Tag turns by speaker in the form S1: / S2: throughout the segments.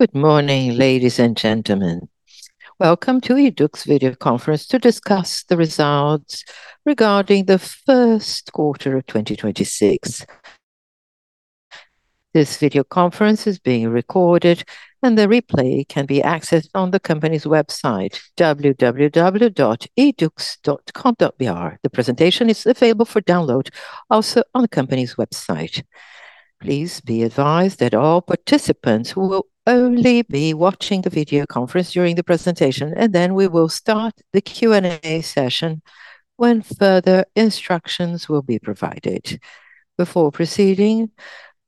S1: Good morning, ladies and gentlemen. Welcome to YDUQS' Video Conference to discuss the Results Regarding the First Quarter of 2026. This video conference is being recorded, and the replay can be accessed on the company's website, www.yduqs.com.br. The presentation is available for download also on the company's website. Please be advised that all participants will only be watching the video conference during the presentation, and then we will start the Q&A session when further instructions will be provided. Before proceeding,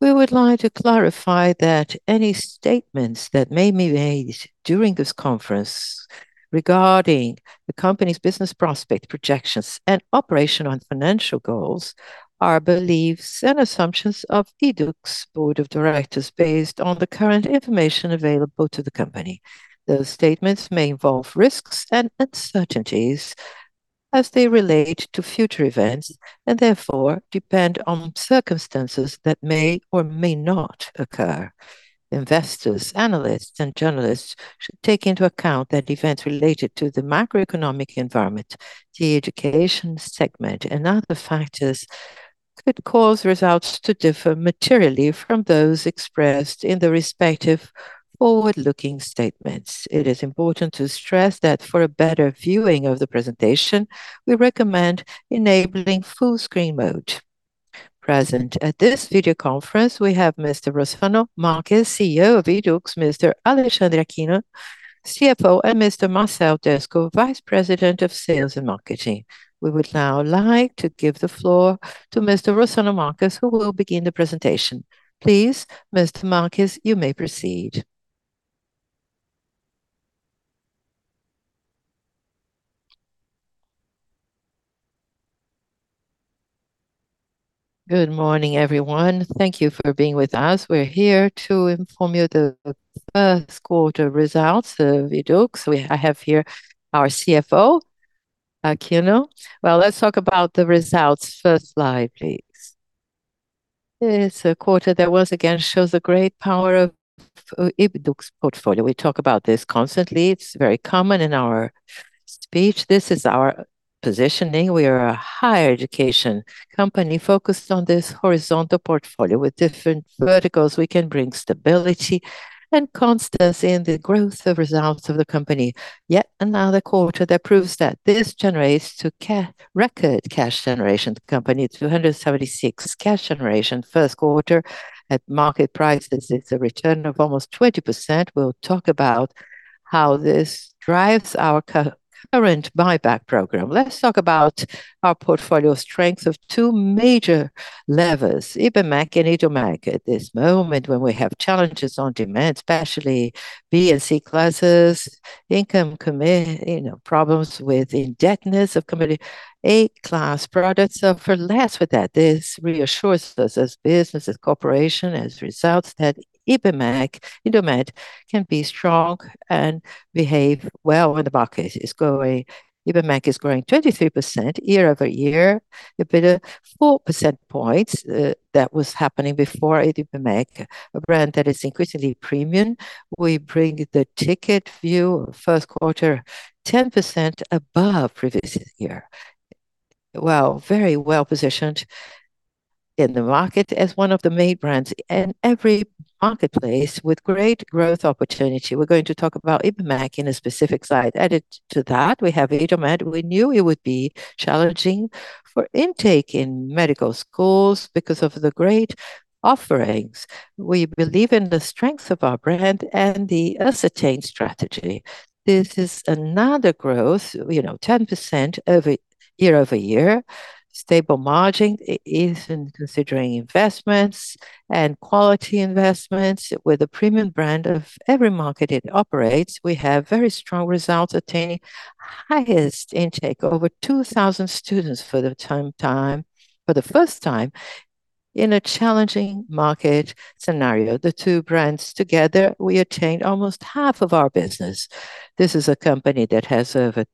S1: we would like to clarify that any statements that may be made during this conference regarding the company's business prospect projections and operational and financial goals are beliefs and assumptions of YDUQS' board of directors based on the current information available to the company. Those statements may involve risks and uncertainties as they relate to future events and therefore depend on circumstances that may or may not occur. Investors, analysts, and journalists should take into account that events related to the macroeconomic environment, the education segment, and other factors could cause results to differ materially from those expressed in the respective forward-looking statements. It is important to stress that for a better viewing of the presentation, we recommend enabling full-screen mode. Present at this video conference, we have Mr. Rossano Marques, CEO of YDUQS, Mr. Alexandre Aquino, CFO, and Mr. Marcel Desco, Vice President of Marketing and Sales. We would now like to give the floor to Mr. Rossano Marques, who will begin the presentation. Please, Mr. Marques, you may proceed.
S2: Good morning, everyone. Thank you for being with us. We're here to inform you the first quarter results of YDUQS. I have here our CFO, Aquino. Well, let's talk about the results. First slide, please. It's a quarter that once again shows the great power of YDUQS' portfolio. We talk about this constantly. It's very common in our speech. This is our positioning. We are a higher education company focused on this horizontal portfolio. With different verticals, we can bring stability and constancy in the growth of results of the company. Yet another quarter that proves that this generates record cash generation to the company, 276 cash generation first quarter at market prices. It's a return of almost 20%. We'll talk about how this drives our current buyback program. Let's talk about our portfolio strength of two major levers, Ibmec and Idomed. At this moment, when we have challenges on demand, especially B and C classes, income, you know, problems with indebtedness of community, A class products suffer less with that. This reassures us as business, as corporation, as results that Ibmec, Idomed can be strong and behave well when the market is growing. Ibmec is growing 23% year-over-year, EBITDA 4 percentage points, that was happening before at Ibmec, a brand that is increasingly premium. We bring the ticket view first quarter, 10% above previous year. Well, very well-positioned in the market as one of the main brands in every marketplace with great growth opportunity. We're going to talk about Ibmec in a specific slide. Added to that, we have Idomed. We knew it would be challenging for intake in medical schools because of the great offerings. We believe in the strength of our brand and the ascertained strategy. This is another growth, you know, 10% year-over-year. Stable margin, even considering investments and quality investments with a premium brand of every market it operates. We have very strong results attaining highest intake, over 2,000 students for the first time in a challenging market scenario. The two brands together, we attained almost half of our business. This is a company that has over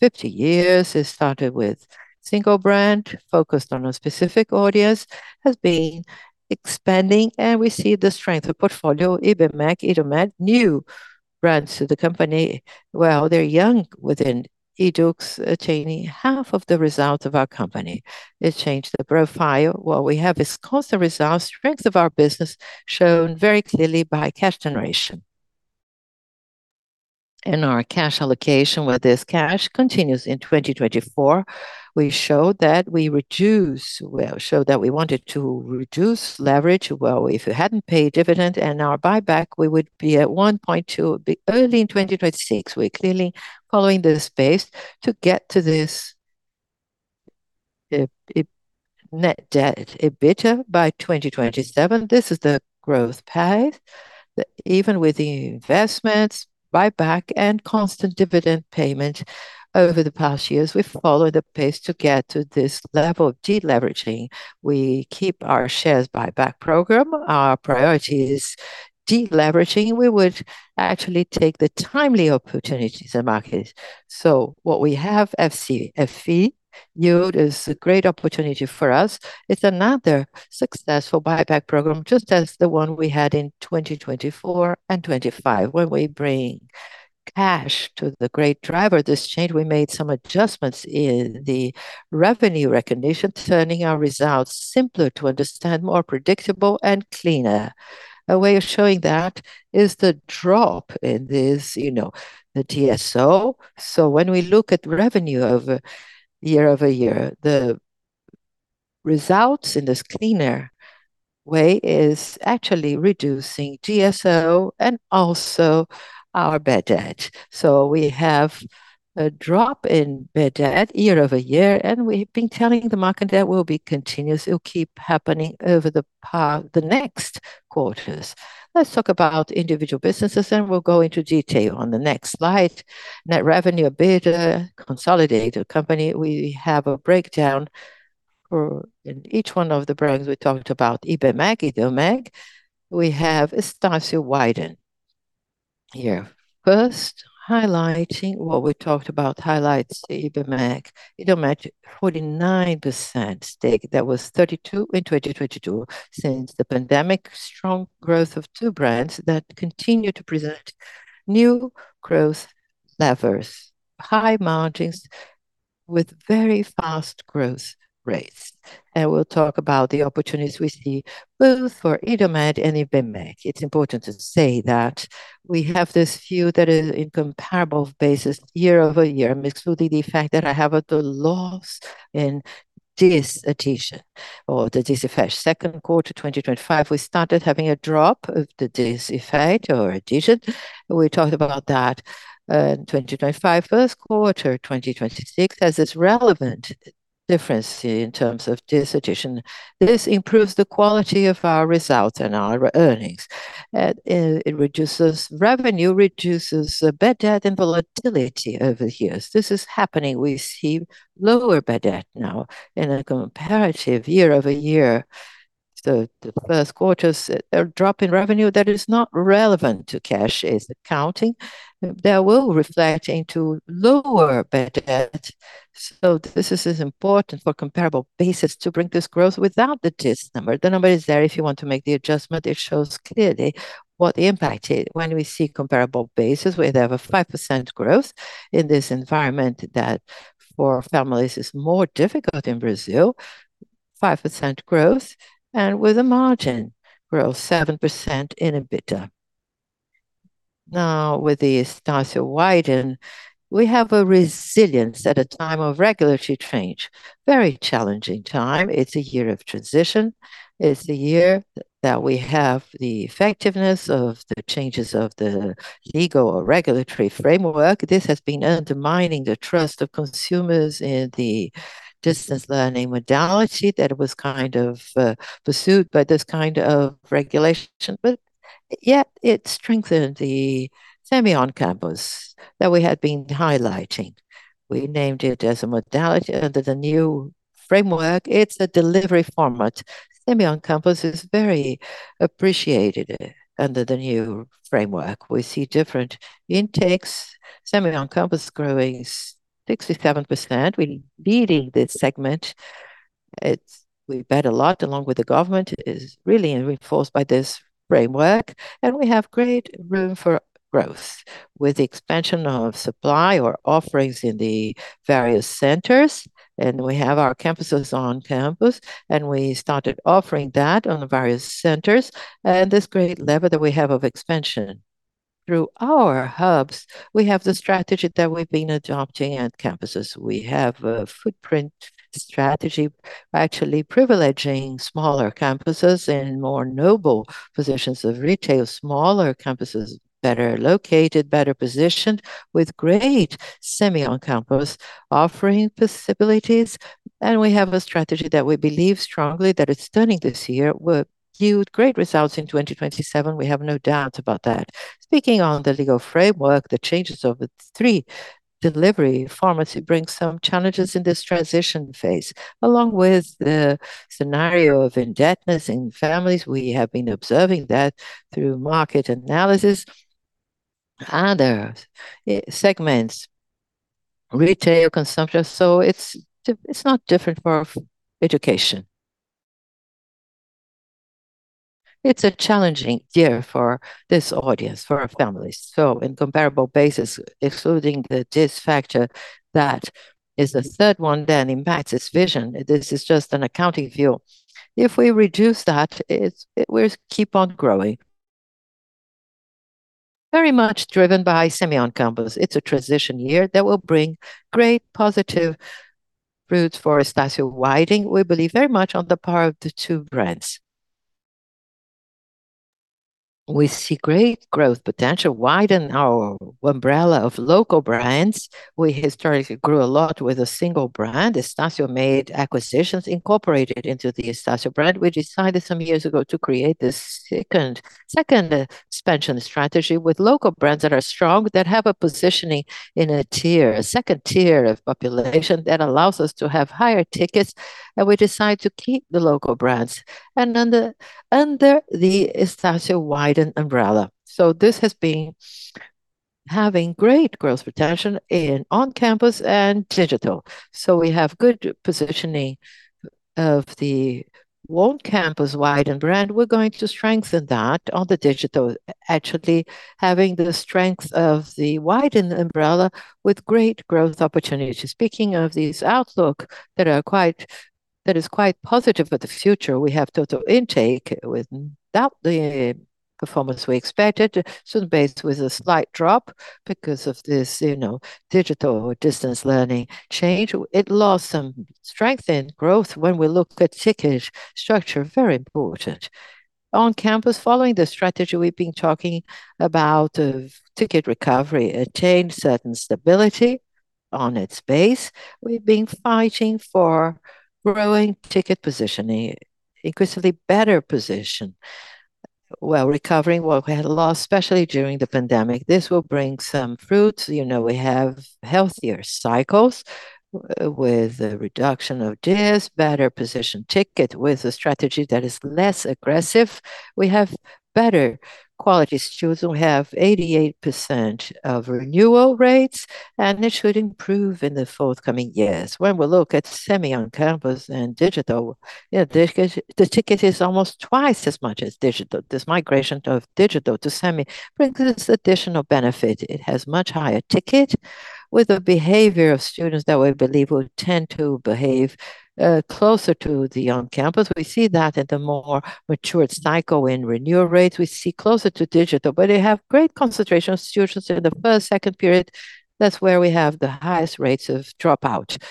S2: 50 years. It started with single brand, focused on a specific audience, has been expanding, we see the strength of portfolio, Ibmec, Idomed, new brands to the company. Well, they're young within YDUQS, attaining half of the result of our company. It changed the profile. What we have is constant results, strength of our business shown very clearly by cash generation. Our cash allocation with this cash continues in 2024. We showed that we wanted to reduce leverage. Well, if we hadn't paid dividend and our buyback, we would be at 1.2. Early in 2026, we're clearly following the space to get to this net debt EBITDA by 2027. This is the growth path. Even with the investments, buyback, and constant dividend payment over the past years, we follow the pace to get to this level of deleveraging. We keep our shares buyback program. Our priority is deleveraging. We would actually take the timely opportunities in market. What we have, FCFE yield, it's a great opportunity for us. It's another successful buyback program, just as the one we had in 2024 and 2025, where we bring cash to the great driver. This change, we made some adjustments in the revenue recognition, turning our results simpler to understand, more predictable and cleaner. A way of showing that is the drop in this, you know, the DSO. When we look at revenue over year-over-year, the results in this cleaner way is actually reducing DSO and also our bad debt. We have a drop in bad debt year-over-year, and we've been telling the market that will be continuous. It'll keep happening over the next quarters. Let's talk about individual businesses, and we'll go into detail on the next slide. Net revenue, EBITDA, consolidated company. We have a breakdown in each one of the brands we talked about, Ibmec. We have Estácio Wyden here. First, highlighting what we talked about, highlights the Ibmec, ibmec 49% stake. That was 32 in 2022. Since the pandemic, strong growth of two brands that continue to present new growth levers, high margins with very fast growth rates. We'll talk about the opportunities we see both for Idomed and Ibmec. It's important to say that we have this view that is in comparable basis year-over-year, excluding the fact that I have a loss in this dilution or the DIS effect. 2Q 2025, we started having a drop of the DIS effect or dilution. We talked about that in 2025. 1Q 2026 has this relevant difference here in terms of DIS dilution. This improves the quality of our results and our earnings. It reduces revenue, reduces bad debt and volatility over years. This is happening. We see lower bad debt now in a comparative year-over-year. The first quarter's a drop in revenue that is not relevant to cash. It's accounting that will reflect into lower bad debt. This is important for comparable basis to bring this growth without the DIS number. The number is there if you want to make the adjustment. It shows clearly what the impact is when we see comparable basis, we have a 5% growth in this environment that for families is more difficult in Brazil, 5% growth and with a margin growth 7% in EBITDA. With the Estácio Wyden, we have a resilience at a time of regulatory change. Very challenging time. It's a year of transition. It's a year that we have the effectiveness of the changes of the legal or regulatory framework. This has been undermining the trust of consumers in the distance learning modality that was kind of pursued by this kind of regulation. Yet it strengthened the semi on-campus that we had been highlighting. We named it as a modality under the new framework. It's a delivery format. Semi on-campus is very appreciated under the new framework. We see different intakes, semi on-campus growing 67%. We're leading this segment. We bet a lot along with the government. It is really enforced by this framework, and we have great room for growth with the expansion of supply or offerings in the various centers, and we have our campuses on campus, and we started offering that on the various centers and this great lever that we have of expansion. Through our hubs, we have the strategy that we've been adopting at campuses. We have a footprint strategy, actually privileging smaller campuses in more noble positions of retail, smaller campuses, better located, better positioned with great semi on-campus offering possibilities. We have a strategy that we believe strongly that it's turning this year will yield great results in 2027. We have no doubts about that. Speaking on the legal framework, the changes of the three delivery pharmacy brings some challenges in this transition phase, along with the scenario of indebtedness in families. We have been observing that through market analysis, other segments, retail consumption. It's not different for education. It's a challenging year for this audience, for our families. In comparable basis, excluding the DIS factor, that is the third one that impacts this vision. This is just an accounting view. If we reduce that, we keep on growing. Very much driven by semi on-campus. It's a transition year that will bring great positive fruits for Estácio Wyden. We believe very much on the power of the two brands. We see great growth potential Wyden our umbrella of local brands. We historically grew a lot with a single brand. Estácio made acquisitions incorporated into the Estácio brand. We decided some years ago to create this second expansion strategy with local brands that are strong, that have a positioning in a tier 2 of population that allows us to have higher tickets, and we decide to keep the local brands. Under the Estácio Wyden umbrella. This has been having great growth potential in on-campus and digital. We have good positioning of the on-campus Wyden brand. We're going to strengthen that on the digital, actually having the strength of the Wyden umbrella with great growth opportunities. Speaking of this outlook that is quite positive for the future, we have total intake without the performance we expected. Student base with a slight drop because of this, you know, digital distance learning change. It lost some strength and growth when we look at ticket structure, very important. On campus, following the strategy we've been talking about of ticket recovery, attained certain stability on its base. We've been fighting for growing ticket positioning, increasingly better position while recovering what we had lost, especially during the pandemic. This will bring some fruits. You know, we have healthier cycles with a reduction of DIS, better positioned ticket with a strategy that is less aggressive. We have better quality students. We have 88% of renewal rates, and it should improve in the forthcoming years. When we look at semi on-campus and digital, yeah, the ticket is almost twice as much as digital. This migration of digital to semi brings this additional benefit. It has much higher ticket with the behavior of students that we believe will tend to behave closer to the on-campus. We see that in the more matured cycle in renewal rates. We see closer to digital, but they have great concentration of students in the first, second period. That's where we have the highest rates of dropout.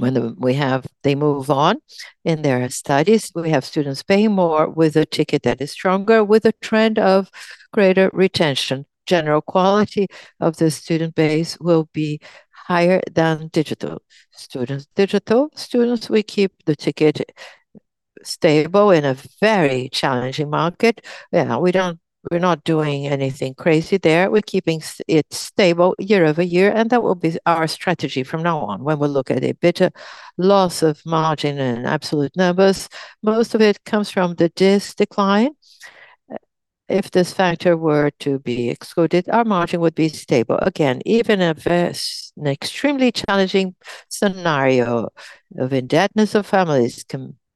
S2: They move on in their studies. We have students paying more with a ticket that is stronger with a trend of greater retention. General quality of the student base will be higher than digital students. Digital students, we keep the ticket stable in a very challenging market. Yeah, we're not doing anything crazy there. We're keeping it stable year-over-year, and that will be our strategy from now on. We look at a bit loss of margin in absolute numbers, most of it comes from the DIS decline. If this factor were to be excluded, our margin would be stable. Even if it's an extremely challenging scenario of indebtedness of families,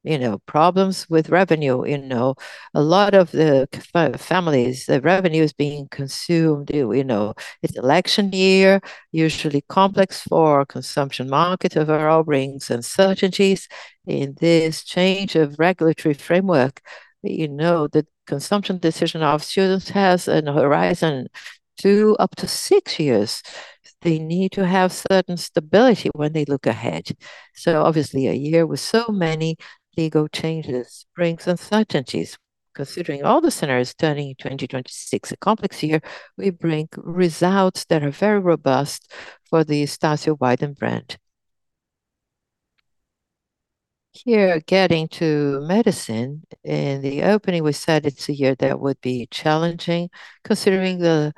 S2: you know, problems with revenue, you know, a lot of the families, the revenue is being consumed. You know, it's election year, usually complex for consumption market overall, brings uncertainties in this change of regulatory framework. You know, the consumption decision of students has an horizon to up to six years. They need to have certain stability when they look ahead. Obviously, a year with so many legal changes brings uncertainties. Considering all the scenarios, turning 2026 a complex year, we bring results that are very robust for the Estácio Wyden brand. Getting to medicine. In the opening, we said it's a year that would be challenging considering the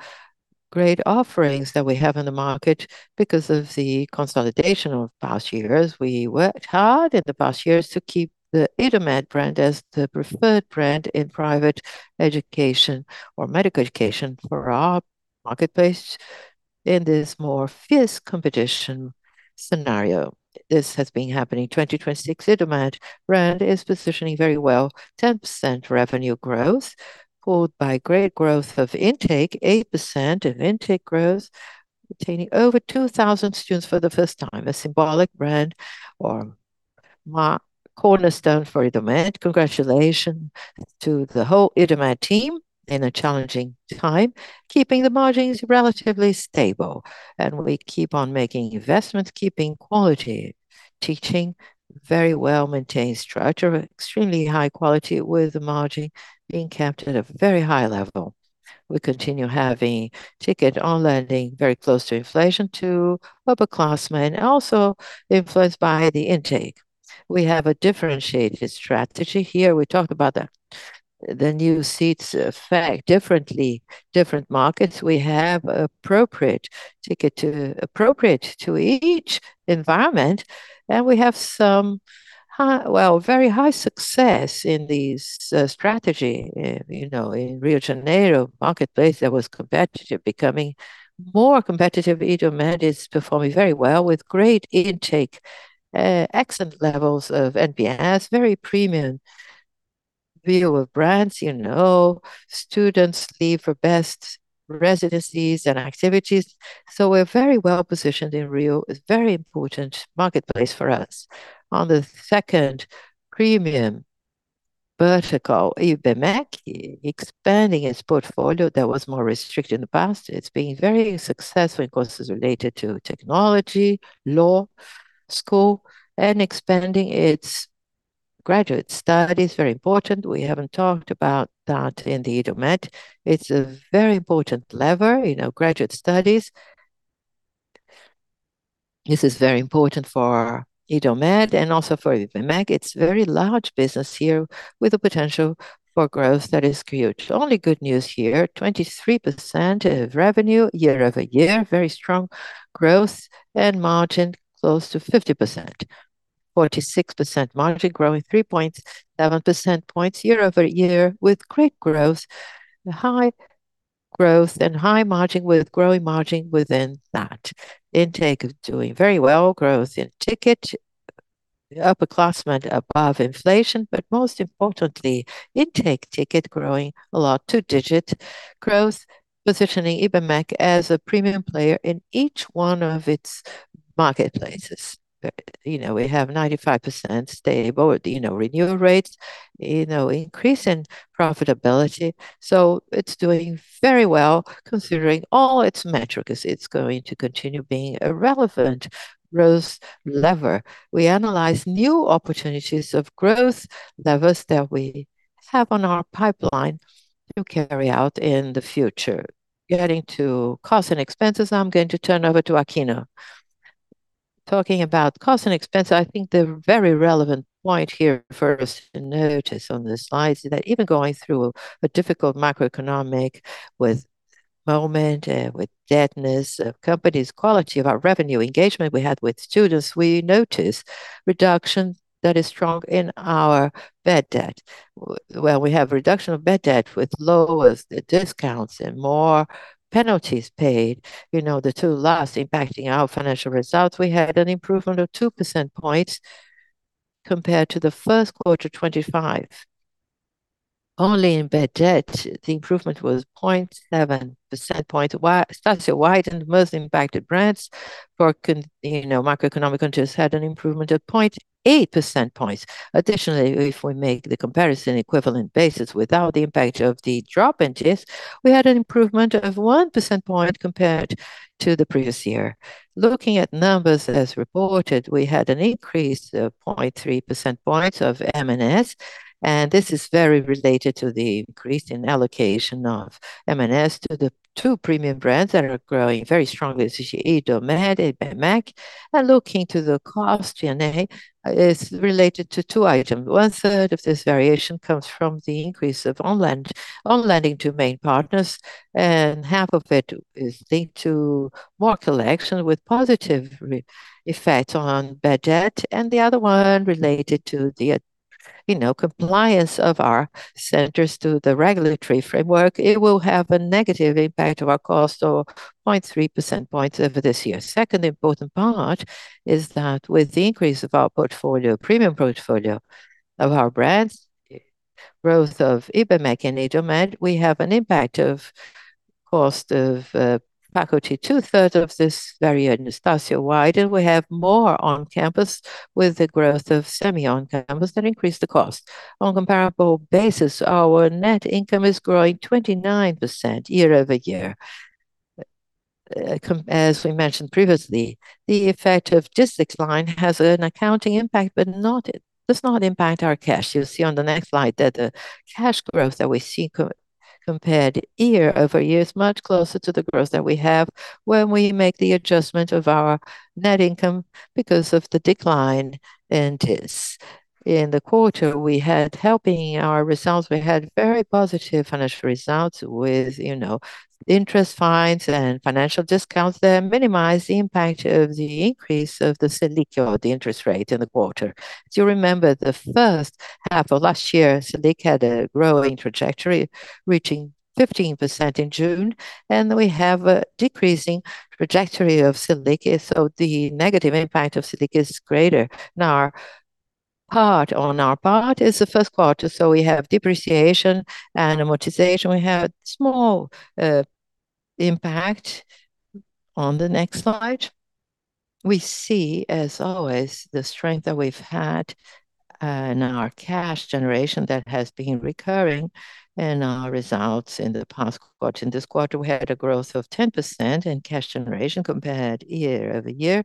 S2: great offerings that we have in the market because of the consolidation of past years. We worked hard in the past years to keep the Idomed brand as the preferred brand in private education or medical education for our marketplace in this more fierce competition scenario. This has been happening. 2026, Idomed brand is positioning very well, 10% revenue growth, pulled by great growth of intake, 8% of intake growth, retaining over 2,000 students for the first time. A symbolic brand or cornerstone for Idomed. Congratulations to the whole Idomed team in a challenging time, keeping the margins relatively stable. We keep on making investments, keeping quality teaching, very well-maintained structure, extremely high quality with the margin being kept at a very high level. We continue having ticket on [inaudible] very close to inflation to upperclassmen, also influenced by the intake. We have a differentiated strategy here. We talked about the new seats affect differently different markets. We have appropriate ticket appropriate to each environment. We have very high success in these strategy. You know, in Rio de Janeiro marketplace that was competitive, becoming more competitive. Idomed is performing very well with great intake, excellent levels of NPS, very premium view of brands. You know, students leave for best residencies and activities. We're very well-positioned in Rio. It's very important marketplace for us. On the second premium vertical, Ibmec expanding its portfolio that was more restricted in the past. It's been very successful in courses related to technology, law school, expanding its graduate studies. Very important. We haven't talked about that in the Idomed. It's a very important lever, you know, graduate studies. This is very important for Idomed and also for Ibmec. It's very large business here with a potential for growth that is huge. Only good news here, 23% of revenue year-over-year, very strong growth and margin close to 50%. 46% margin growing 3.7 percentage points year-over-year with great growth, high growth and high margin with growing margin within that. Intake doing very well. Growth in ticket, upperclassmen above inflation, but most importantly, intake ticket growing a lot, two-digit growth, positioning Ibmec as a premium player in each one of its pro-marketplaces. You know, we have 95% stable, you know, renewal rates. You know, increase in profitability. It's doing very well considering all its metrics. It's going to continue being a relevant growth lever. We analyze new opportunities of growth levers that we have on our pipeline to carry out in the future. Getting to costs and expenses, I'm going to turn over to Aquino.
S3: Talking about cost and expense, I think the very relevant point here for us to notice on the slides is that even going through a difficult macroeconomic with moment, with indebtedness of companies, quality of our revenue engagement we had with students, we notice reduction that is strong in our bad debt. Well, we have reduction of bad debt with lower discounts and more penalties paid. You know, the two last impacting our financial results, we had an improvement of 2 percentage points compared to the first quarter 2025. Only in bad debt, the improvement was 0.7 percentage points with Estácio Wyden and most impacted brands for you know, macroeconomic conditions had an improvement of 0.8 percentage points. Additionally, if we make the comparison equivalent basis without the impact of the drop in DIS, we had an improvement of 1 percentage point compared to the previous year. Looking at numbers as reported, we had an increase of 0.3 percentage points of M&S. This is very related to the increase in allocation of M&S to the two premium brands that are growing very strongly, CGE, Idomed, Ibmec. Looking to the cost, G&A is related to two item. One-third of this variation comes from the increase of on-lending to main partners. Half of it is linked to more collection with positive re-effect on bad debt. The other one related to the, you know, compliance of our centers to the regulatory framework. It will have a negative impact to our cost or 0.3 percentage points over this year. Second important part is that with the increase of our portfolio, premium portfolio of our brands, growth of Ibmec and Idomed, we have an impact of cost of faculty. Two-thirds of this vary in Estácio Wyden, and we have more on campus with the growth of semi on-campus that increase the cost. On comparable basis, our net income is growing 29% year-over-year. as we mentioned previously, the effect of DIS decline has an accounting impact, but it does not impact our cash. You'll see on the next slide that the cash growth that we see compared year-over-year is much closer to the growth that we have when we make the adjustment of our net income because of the decline in DIS. In the quarter, we had, helping our results, we had very positive financial results with, you know, interest fines and financial discounts that minimize the impact of the increase of the Selic or the interest rate in the quarter. Do you remember the first half of last year, Selic had a growing trajectory reaching 15% in June, and we have a decreasing trajectory of Selic, and so the negative impact of Selic is greater? Now, our part on our part is the first quarter, so we have depreciation and amortization. We have small impact. On the next slide, we see, as always, the strength that we've had in our cash generation that has been recurring in our results in the past quarter. In this quarter, we had a growth of 10% in cash generation compared year-over-year,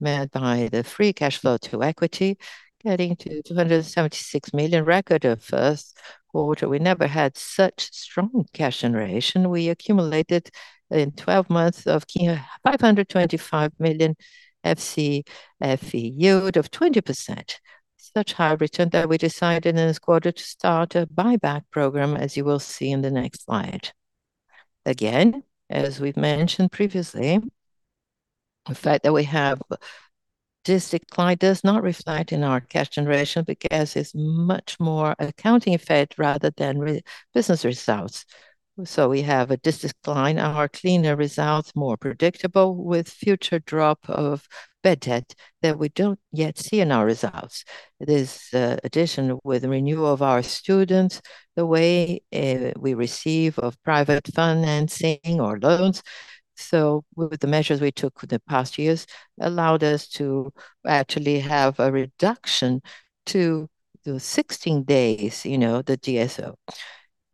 S3: made by the FCFE, getting to 276 million record of first quarter. We never had such strong cash generation. We accumulated in 12 months of 525 million FCFE yield of 20%. Such high return that we decided in this quarter to start a buyback program, as you will see in the next slide. Again, as we've mentioned previously, the fact that we have this decline does not reflect in our cash generation because it's much more accounting effect rather than business results. We have a DIS decline. Our cleaner results more predictable with future drop of bad debt that we don't yet see in our results. This addition with renewal of our students, the way we receive of private financing or loans. With the measures we took in the past years allowed us to actually have a reduction to the 16 days, you know, the DSO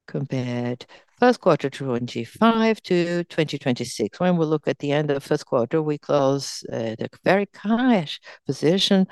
S3: compared first quarter 2025 to 2026. When we look at the end of first quarter, we close the very cash position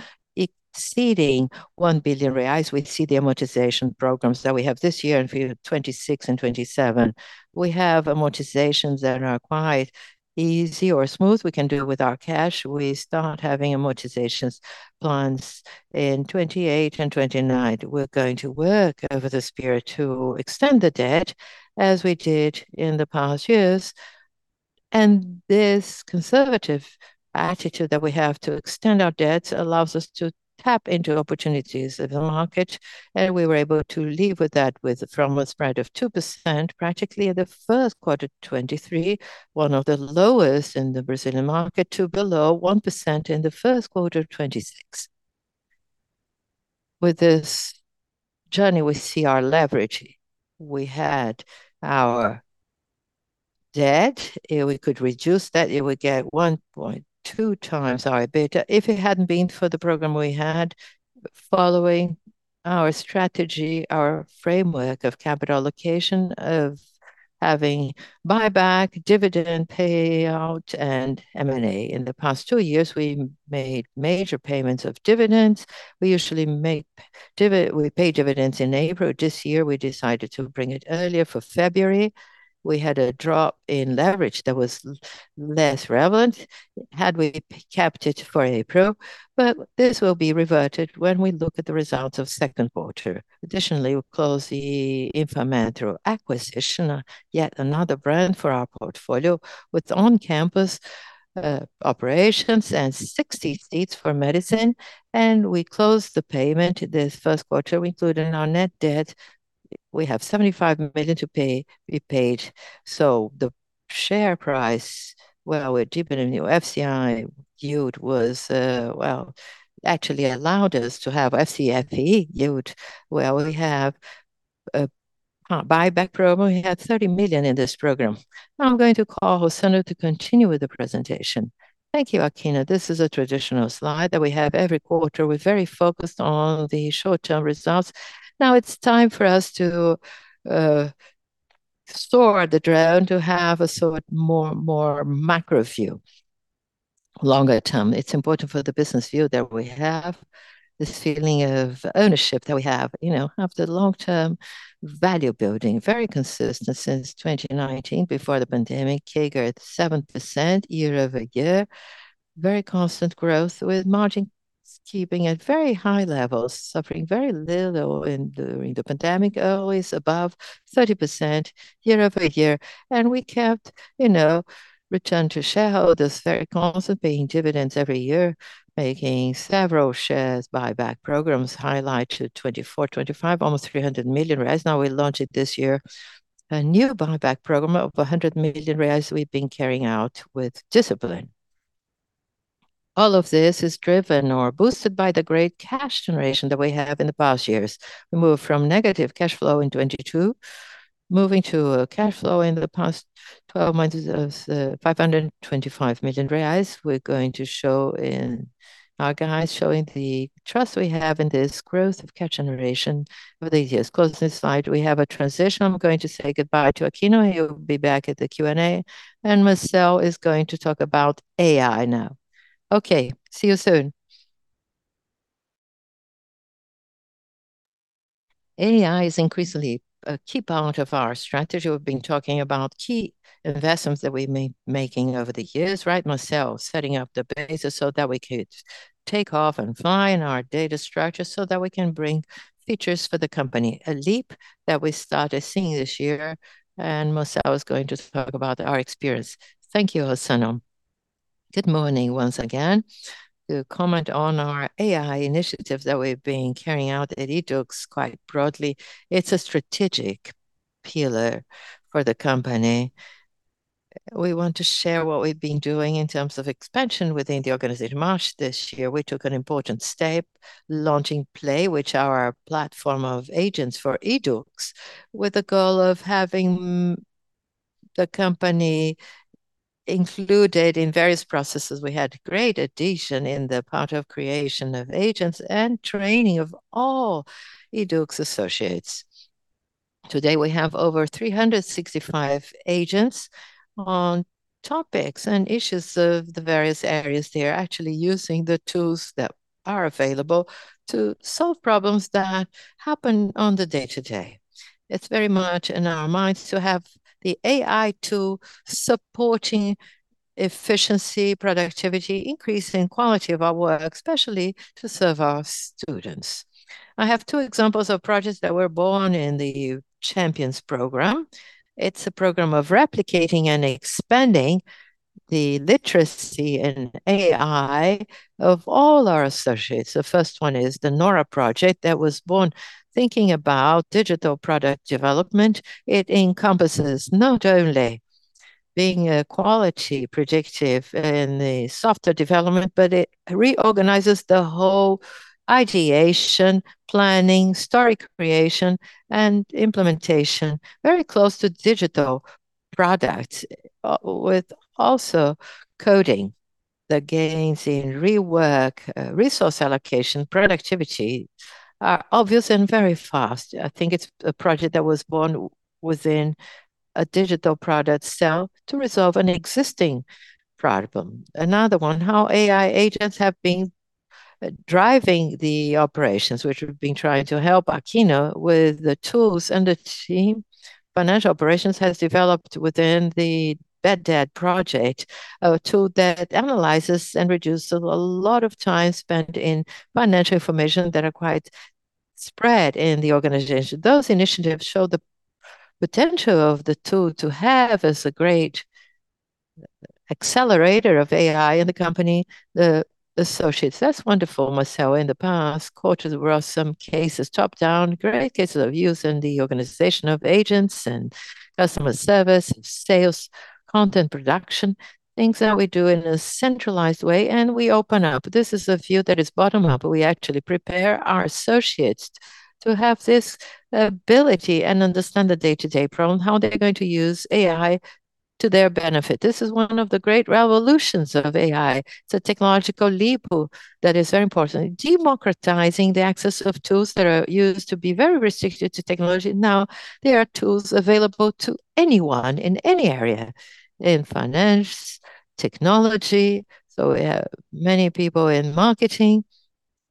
S3: exceeding 1 billion reais. We see the amortization programs that we have this year in FY 2026 and FY 2027. We have amortizations that are quite easy or smooth. We can do with our cash. We start having amortization plans in 2028 and 2029. We're going to work over this period to extend the debt as we did in the past years. This conservative attitude that we have to extend our debts allows us to tap into opportunities in the market, and we were able to leave with that with from a spread of 2% practically in the first quarter 2023, one of the lowest in the Brazilian market, to below 1% in the first quarter of 2026. With this journey, we see our leverage. We had our debt. If we could reduce that, it would get 1.2x our EBITDA. If it hadn't been for the program we had following our strategy, our framework of capital allocation, of having buyback, dividend payout, and M&A. In the past two years, we made major payments of dividends. We usually pay dividends in April. This year, we decided to bring it earlier for February. We had a drop in leverage that was less relevant had we kept it for April. This will be reverted when we look at the results of second quarter. Additionally, we closed the Unifametro acquisition, yet another brand for our portfolio with on-campus operations and 60 seats for medicine. We closed the payment this first quarter, including our net debt. We have 75 million to pay, we paid. The share price, well, with deeper than new FCFE yield was, well, actually allowed us to have FCFE yield, where we have a buyback program. We had 30 million in this program. Now I'm going to call Rossano to continue with the presentation.
S2: Thank you, Aquino. This is a traditional slide that we have every quarter. We're very focused on the short-term results. Now it's time for us to store the drone to have a sort more macro view longer term. It's important for the business view that we have this feeling of ownership that we have, you know, have the long-term value building, very consistent since 2019 before the pandemic, CAGR at 7% year-over-year, very constant growth with margin keeping at very high levels, suffering very little in during the pandemic, always above 30% year-over-year. We kept, you know, return to shareholders very constant, paying dividends every year, making several shares buyback programs, highlight to 2024-2025, almost 300 million reais. Now we launched this year a new buyback program of 100 million reais we've been carrying out with discipline. All of this is driven or boosted by the great cash generation that we have in the past years. We moved from negative cash flow in 2022, moving to a cash flow in the past 12 months of 525 million reais. We're going to show in our guides, showing the trust we have in this growth of cash generation over the years. Closing slide, we have a transition. I'm going to say goodbye to Aquino. He will be back at the Q&A, and Marcel is going to talk about AI now. Okay, see you soon. AI is increasingly a key part of our strategy. We've been talking about key investments that we've making over the years, right, Marcel, setting up the basis so that we could take off and fly in our data structure so that we can bring features for the company, a leap that we started seeing this year, and Marcel is going to talk about our experience.
S4: Thank you, Rossano. Good morning once again. To comment on our AI initiative that we've been carrying out at YDUQS quite broadly, it's a strategic pillar for the company. We want to share what we've been doing in terms of expansion within the organization. March this year, we took an important step, launching Play, which are our platform of agents for YDUQS, with the goal of having the company included in various processes. We had great addition in the part of creation of agents and training of all YDUQS associates. Today, we have over 365 agents on topics and issues of the various areas. They are actually using the tools that are available to solve problems that happen on the day-to-day. It's very much in our minds to have the AI tool supporting efficiency, productivity, increasing quality of our work, especially to serve our students. I have two examples of projects that were born in the Champions program. It's a program of replicating and expanding the literacy in AI of all our associates. The first one is the Nora project that was born thinking about digital product development. It encompasses not only being a quality predictive in the software development, but it reorganizes the whole ideation, planning, story creation, and implementation, very close to digital product, with also coding. The gains in rework, resource allocation, productivity are obvious and very fast. I think it's a project that was born within a digital product cell to resolve an existing problem. Another one, how AI agents have been driving the operations, which we've been trying to help Aquino with the tools and the team.
S2: Financial operations has developed within the bad debt project, a tool that analyzes and reduces a lot of time spent in financial information that are quite spread in the organization. Those initiatives show the potential of the tool to have as a great accelerator of AI in the company, the associates. That's wonderful, Marcel. In the past quarters, there were some cases, top-down, great cases of use in the organization of agents and customer service, sales, content production, things that we do in a centralized way, and we open up. This is a view that is bottom up. We actually prepare our associates to have this ability and understand the day-to-day problem, how they're going to use AI to their benefit. This is one of the great revolutions of AI. It's a technological leap that is very important.
S4: Democratizing the access of tools that are used to be very restricted to technology. Now there are tools available to anyone in any area, in finance, technology. We have many people in marketing.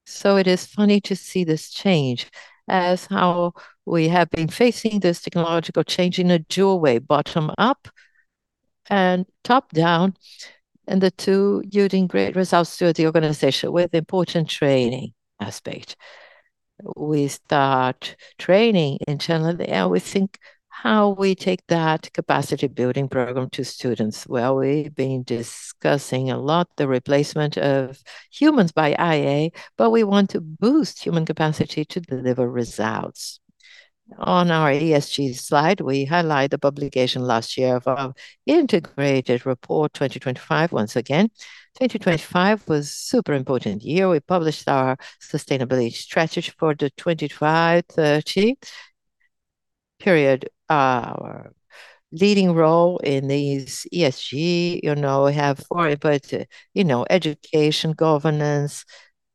S4: It is funny to see this change as how we have been facing this technological change in a dual way, bottom up and top down, and the two yielding great results to the organization with important training aspect. We start training internally, and we think how we take that capacity-building program to students. Well, we've been discussing a lot the replacement of humans by AI, but we want to boost human capacity to deliver results. On our ESG slide, we highlight the publication last year of our integrated report 2025 once again. 2025 was super important year. We published our sustainability strategy for the 2025, 2030 period. Our leading role in these ESG, you know, we have four important, you know, education, governance,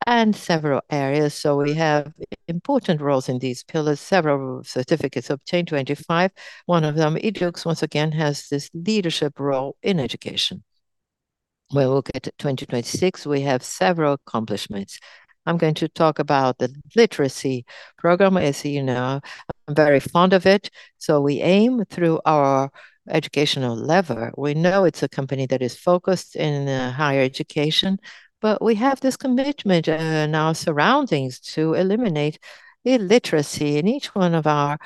S4: and several areas. We have important roles in these pillars. Several certificates obtained, 2025. One of them, YDUQS, once again, has this leadership role in education. We look at 2026, we have several accomplishments. I'm going to talk about the literacy program, as you know, I'm very fond of it. We aim through our educational lever. We know it's a company that is focused in higher education, but we have this commitment in our surroundings to eliminate illiteracy. In each one of our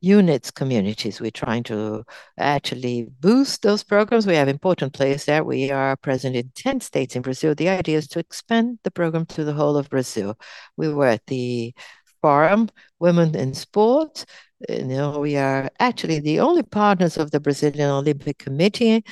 S4: units, communities, we're trying to actually boost those programs. We have important place there. We are present in 10 states in Brazil. The idea is to expand the program to the whole of Brazil. We were at the Forum Women in Sports. You know, we are actually the only partners of the Brazilian Olympic Committee.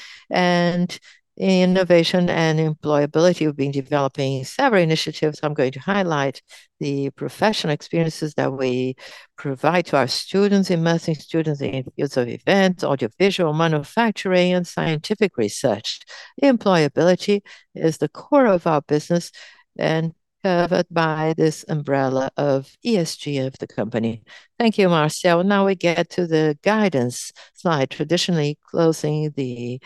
S4: Innovation and employability, we've been developing several initiatives. I'm going to highlight the professional experiences that we provide to our students, immersing students in fields of events, audiovisual, manufacturing, and scientific research. Employability is the core of our business and covered by this umbrella of ESG of the company.
S2: Thank you, Marcel. Now we get to the guidance slide. Traditionally closing the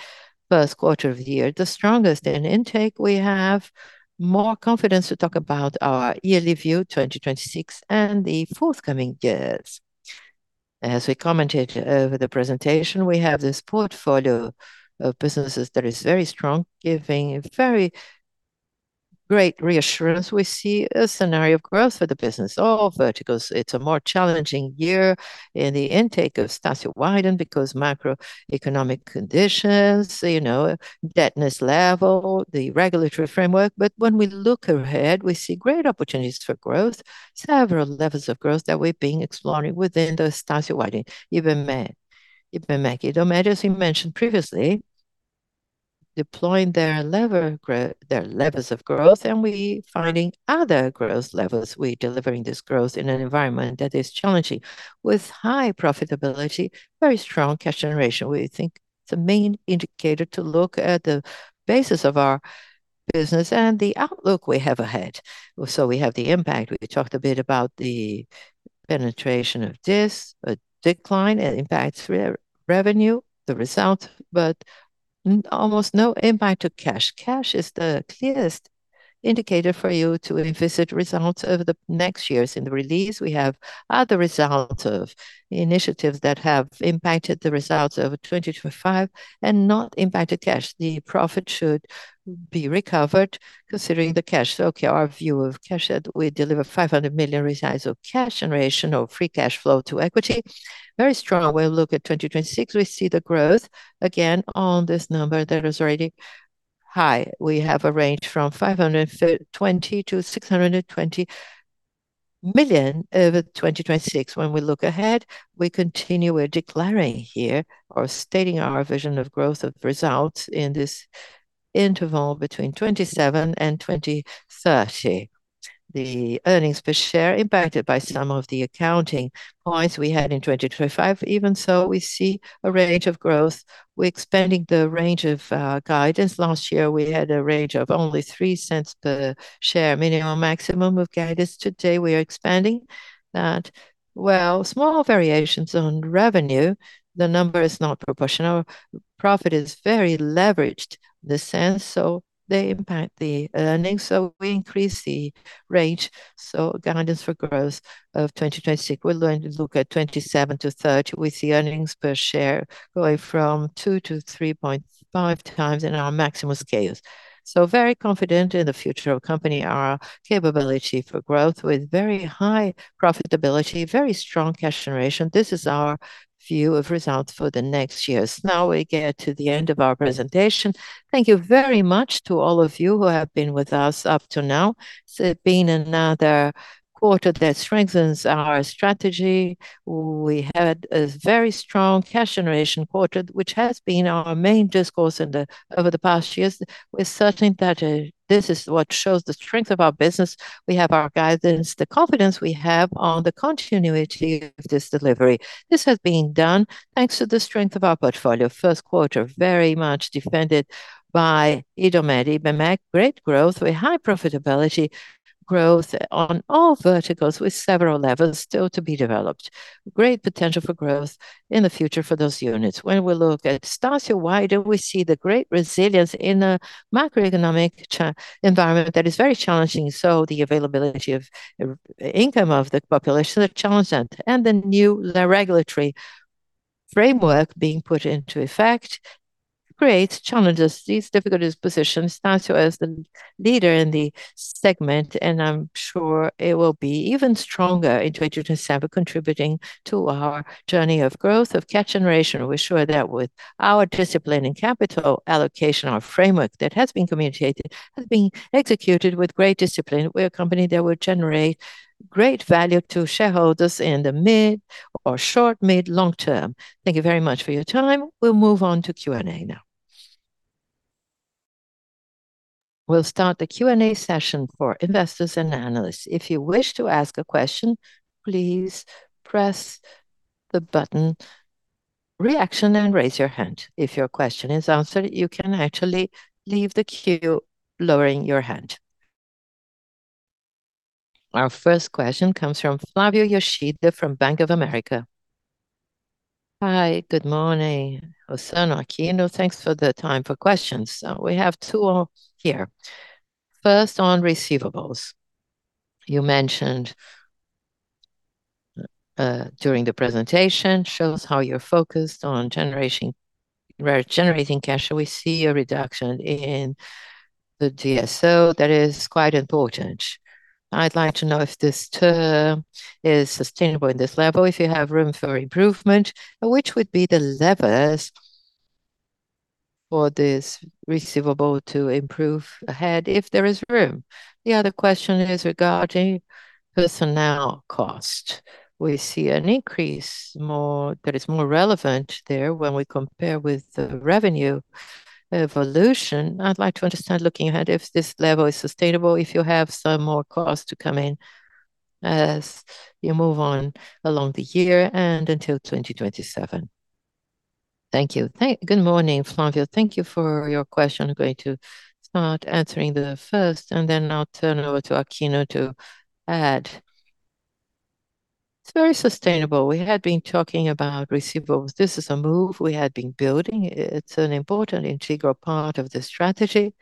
S2: first quarter of the year, the strongest in intake. We have more confidence to talk about our yearly view, 2026, and the forthcoming years. We commented over the presentation, we have this portfolio of businesses that is very strong, giving very great reassurance. We see a scenario of growth for the business, all verticals. It's a more challenging year in the intake of Estácio Wyden because macroeconomic conditions, you know, debtness level, the regulatory framework. When we look ahead, we see great opportunities for growth, several levels of growth that we've been exploring within the Estácio Wyden, Ibmec. Ibmec, as we mentioned previously, deploying their levers of growth, and we finding other growth levers. We're delivering this growth in an environment that is challenging with high profitability, very strong cash generation. We think it's a main indicator to look at the basis of our business and the outlook we have ahead. We have the impact. We talked a bit about the penetration of DIS, a decline, it impacts revenue, the result, but almost no impact to cash. Cash is the clearest indicator for you to envisage results over the next years. In the release, we have other results of initiatives that have impacted the results over 2025 and not impacted cash. The profit should be recovered considering the cash. Okay, our view of cash that we deliver 400 million of cash generation or free cash flow to equity. Very strong. We'll look at 2026. We see the growth again on this number that is already high. We have a range from 520 million-620 million over 2026. We look ahead, we continue, we're declaring here or stating our vision of growth of results in this interval between 2027 and 2030. The earnings per share impacted by some of the accounting points we had in 2025. We see a range of growth. We're expanding the range of guidance. Last year, we had a range of only 0.03 per share minimum maximum of guidance. Today, we are expanding that. While small variations on revenue, the number is not proportional. Profit is very leveraged in a sense, they impact the earnings. We increase the range. Guidance for growth of 2026, we're going to look at 27 to 30 with the EPS going from 2x-3.5x in our maximum scales. Very confident in the future of company, our capability for growth with very high profitability, very strong cash generation. This is our view of results for the next years. Now we get to the end of our presentation. Thank you very much to all of you who have been with us up to now. It's been another quarter that strengthens our strategy. We had a very strong cash generation quarter, which has been our main discourse in the over the past years. We're certain that this is what shows the strength of our business. We have our guidance, the confidence we have on the continuity of this delivery. This has been done thanks to the strength of our portfolio. first quarter, very much defended by Idomed, Ibmec, great growth with high profitability, growth on all verticals with several levels still to be developed. Great potential for growth in the future for those units. When we look at Estácio, why do we see the great resilience in a macroeconomic environment that is very challenging? The availability of income of the population are challenged, and the new regulatory framework being put into effect creates challenges. These difficulties position Estácio as the leader in the segment, and I'm sure it will be even stronger in 2027, contributing to our journey of growth, of cash generation. We're sure that with our discipline and capital allocation, our framework that has been communicated, has been executed with great discipline. We're a company that will generate great value to shareholders in the mid or short, mid, long term. Thank you very much for your time. We'll move on to Q&A now.
S1: We'll start the Q&A session for investors and analysts. If you wish to ask a question, please press the button Reaction and Raise Your Hand. If your question is answered, you can actually leave the queue lowering your hand. Our first question comes from Flavio Yoshida from Bank of America.
S5: Hi, good morning, Rossano, Aquino. Thanks for the time for questions. We have two here. First, on receivables. You mentioned during the presentation, shows how you are generating cash. We see a reduction in the DSO that is quite important. I'd like to know if this term is sustainable in this level, if you have room for improvement, and which would be the levers for this receivable to improve ahead if there is room. The other question is regarding personnel cost. We see an increase that is more relevant there when we compare with the revenue evolution. I'd like to understand looking ahead if this level is sustainable, if you have some more costs to come in as you move on along the year and until 2027.
S2: Thank you. Good morning, Flavio. Thank you for your question. I'm going to start answering the first, and then I'll turn over to Aquino to add. It's very sustainable. We had been talking about receivables. This is a move we had been building. It's an important integral part of the strategy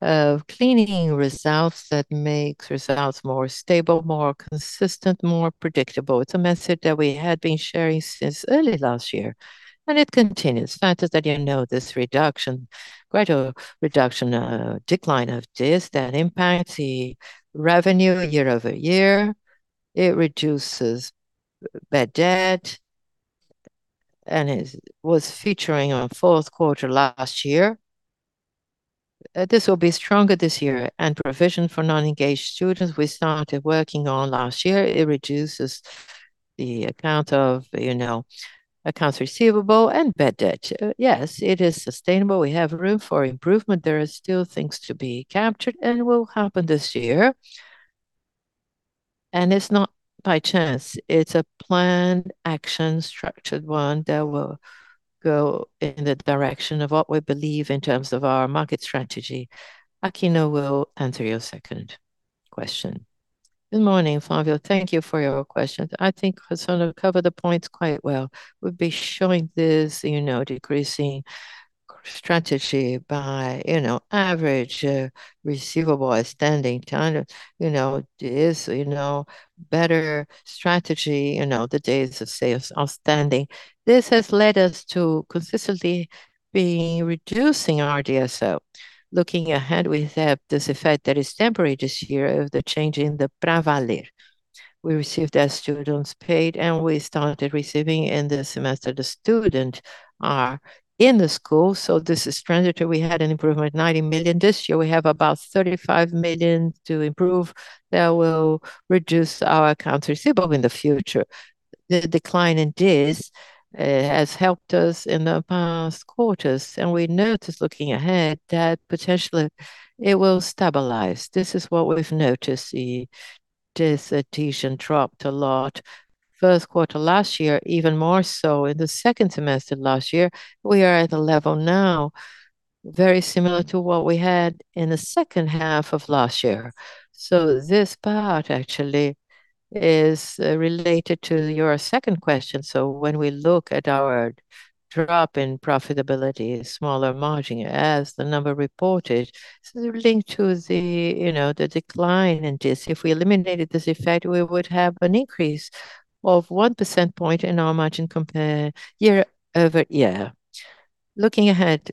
S2: of cleaning results that makes results more stable, more consistent, more predictable. It's a message that we had been sharing since early last year. It continues. Fact is that you know this reduction, gradual reduction, decline of DIS that impacts the revenue year-over-year. It reduces bad debt. It was featuring on fourth quarter last year. This will be stronger this year. Provision for non-engaged students we started working on last year. It reduces the account of, you know, accounts receivable and bad debt. Yes, it is sustainable. We have room for improvement. There are still things to be captured and will happen this year. It's not by chance. It's a planned action, structured one, that will go in the direction of what we believe in terms of our market strategy. Aquino will answer your second question.
S3: Good morning, Flavio. Thank you for your questions. I think Rossano covered the points quite well. We've been showing this, you know, decreasing strategy by, you know, average receivable outstanding trying to, you know, this, you know, better strategy, you know, the Days Sales Outstanding. This has led us to consistently be reducing our DSO. Looking ahead, we have this effect that is temporary this year of the change in the Pravaler. We received as students paid. We started receiving in the semester the student are in the school, so this is transitory. We had an improvement of 90 million. This year, we have about 35 million to improve. That will reduce our accounts receivable in the future. The decline in [DIS] has helped us in the past quarters. We noticed looking ahead that potentially it will stabilize. This is what we've noticed. This adhesion dropped a lot first quarter last year, even more so in the second semester last year. We are at a level now very similar to what we had in the second half of last year. This part actually is related to your second question. When we look at our drop in profitability, smaller margin as the number reported, this is linked to the, you know, the decline in this. If we eliminated this effect, we would have an increase of 1 percentage point in our margin compare year-over-year. Looking ahead,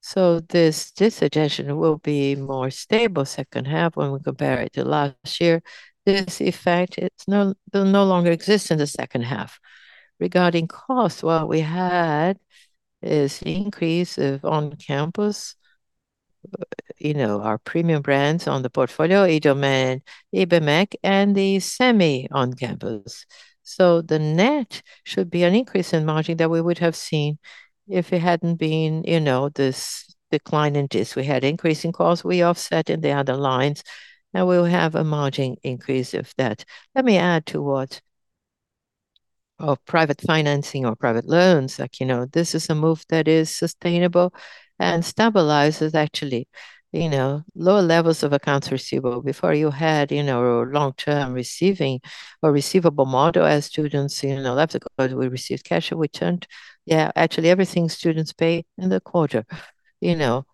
S3: so this [inaudible] will be more stable second half when we compare it to last year. This effect will no longer exist in the second half.
S2: Regarding costs, what we had is the increase of on-campus, you know, our premium brands on the portfolio, Idomed, Ibmec, and the semi on-campus. The net should be an increase in margin that we would have seen if it hadn't been, you know, this decline in this. We had increase in costs we offset in the other lines, and we'll have a margin increase of that. Let me add to private financing or private loans. Like, you know, this is a move that is sustainable and stabilizes actually, you know, lower levels of accounts receivable. Before you had, you know, long-term receiving or receivable model as students, you know, after course we received cash, we turned, yeah, actually everything students pay in the quarter. You know,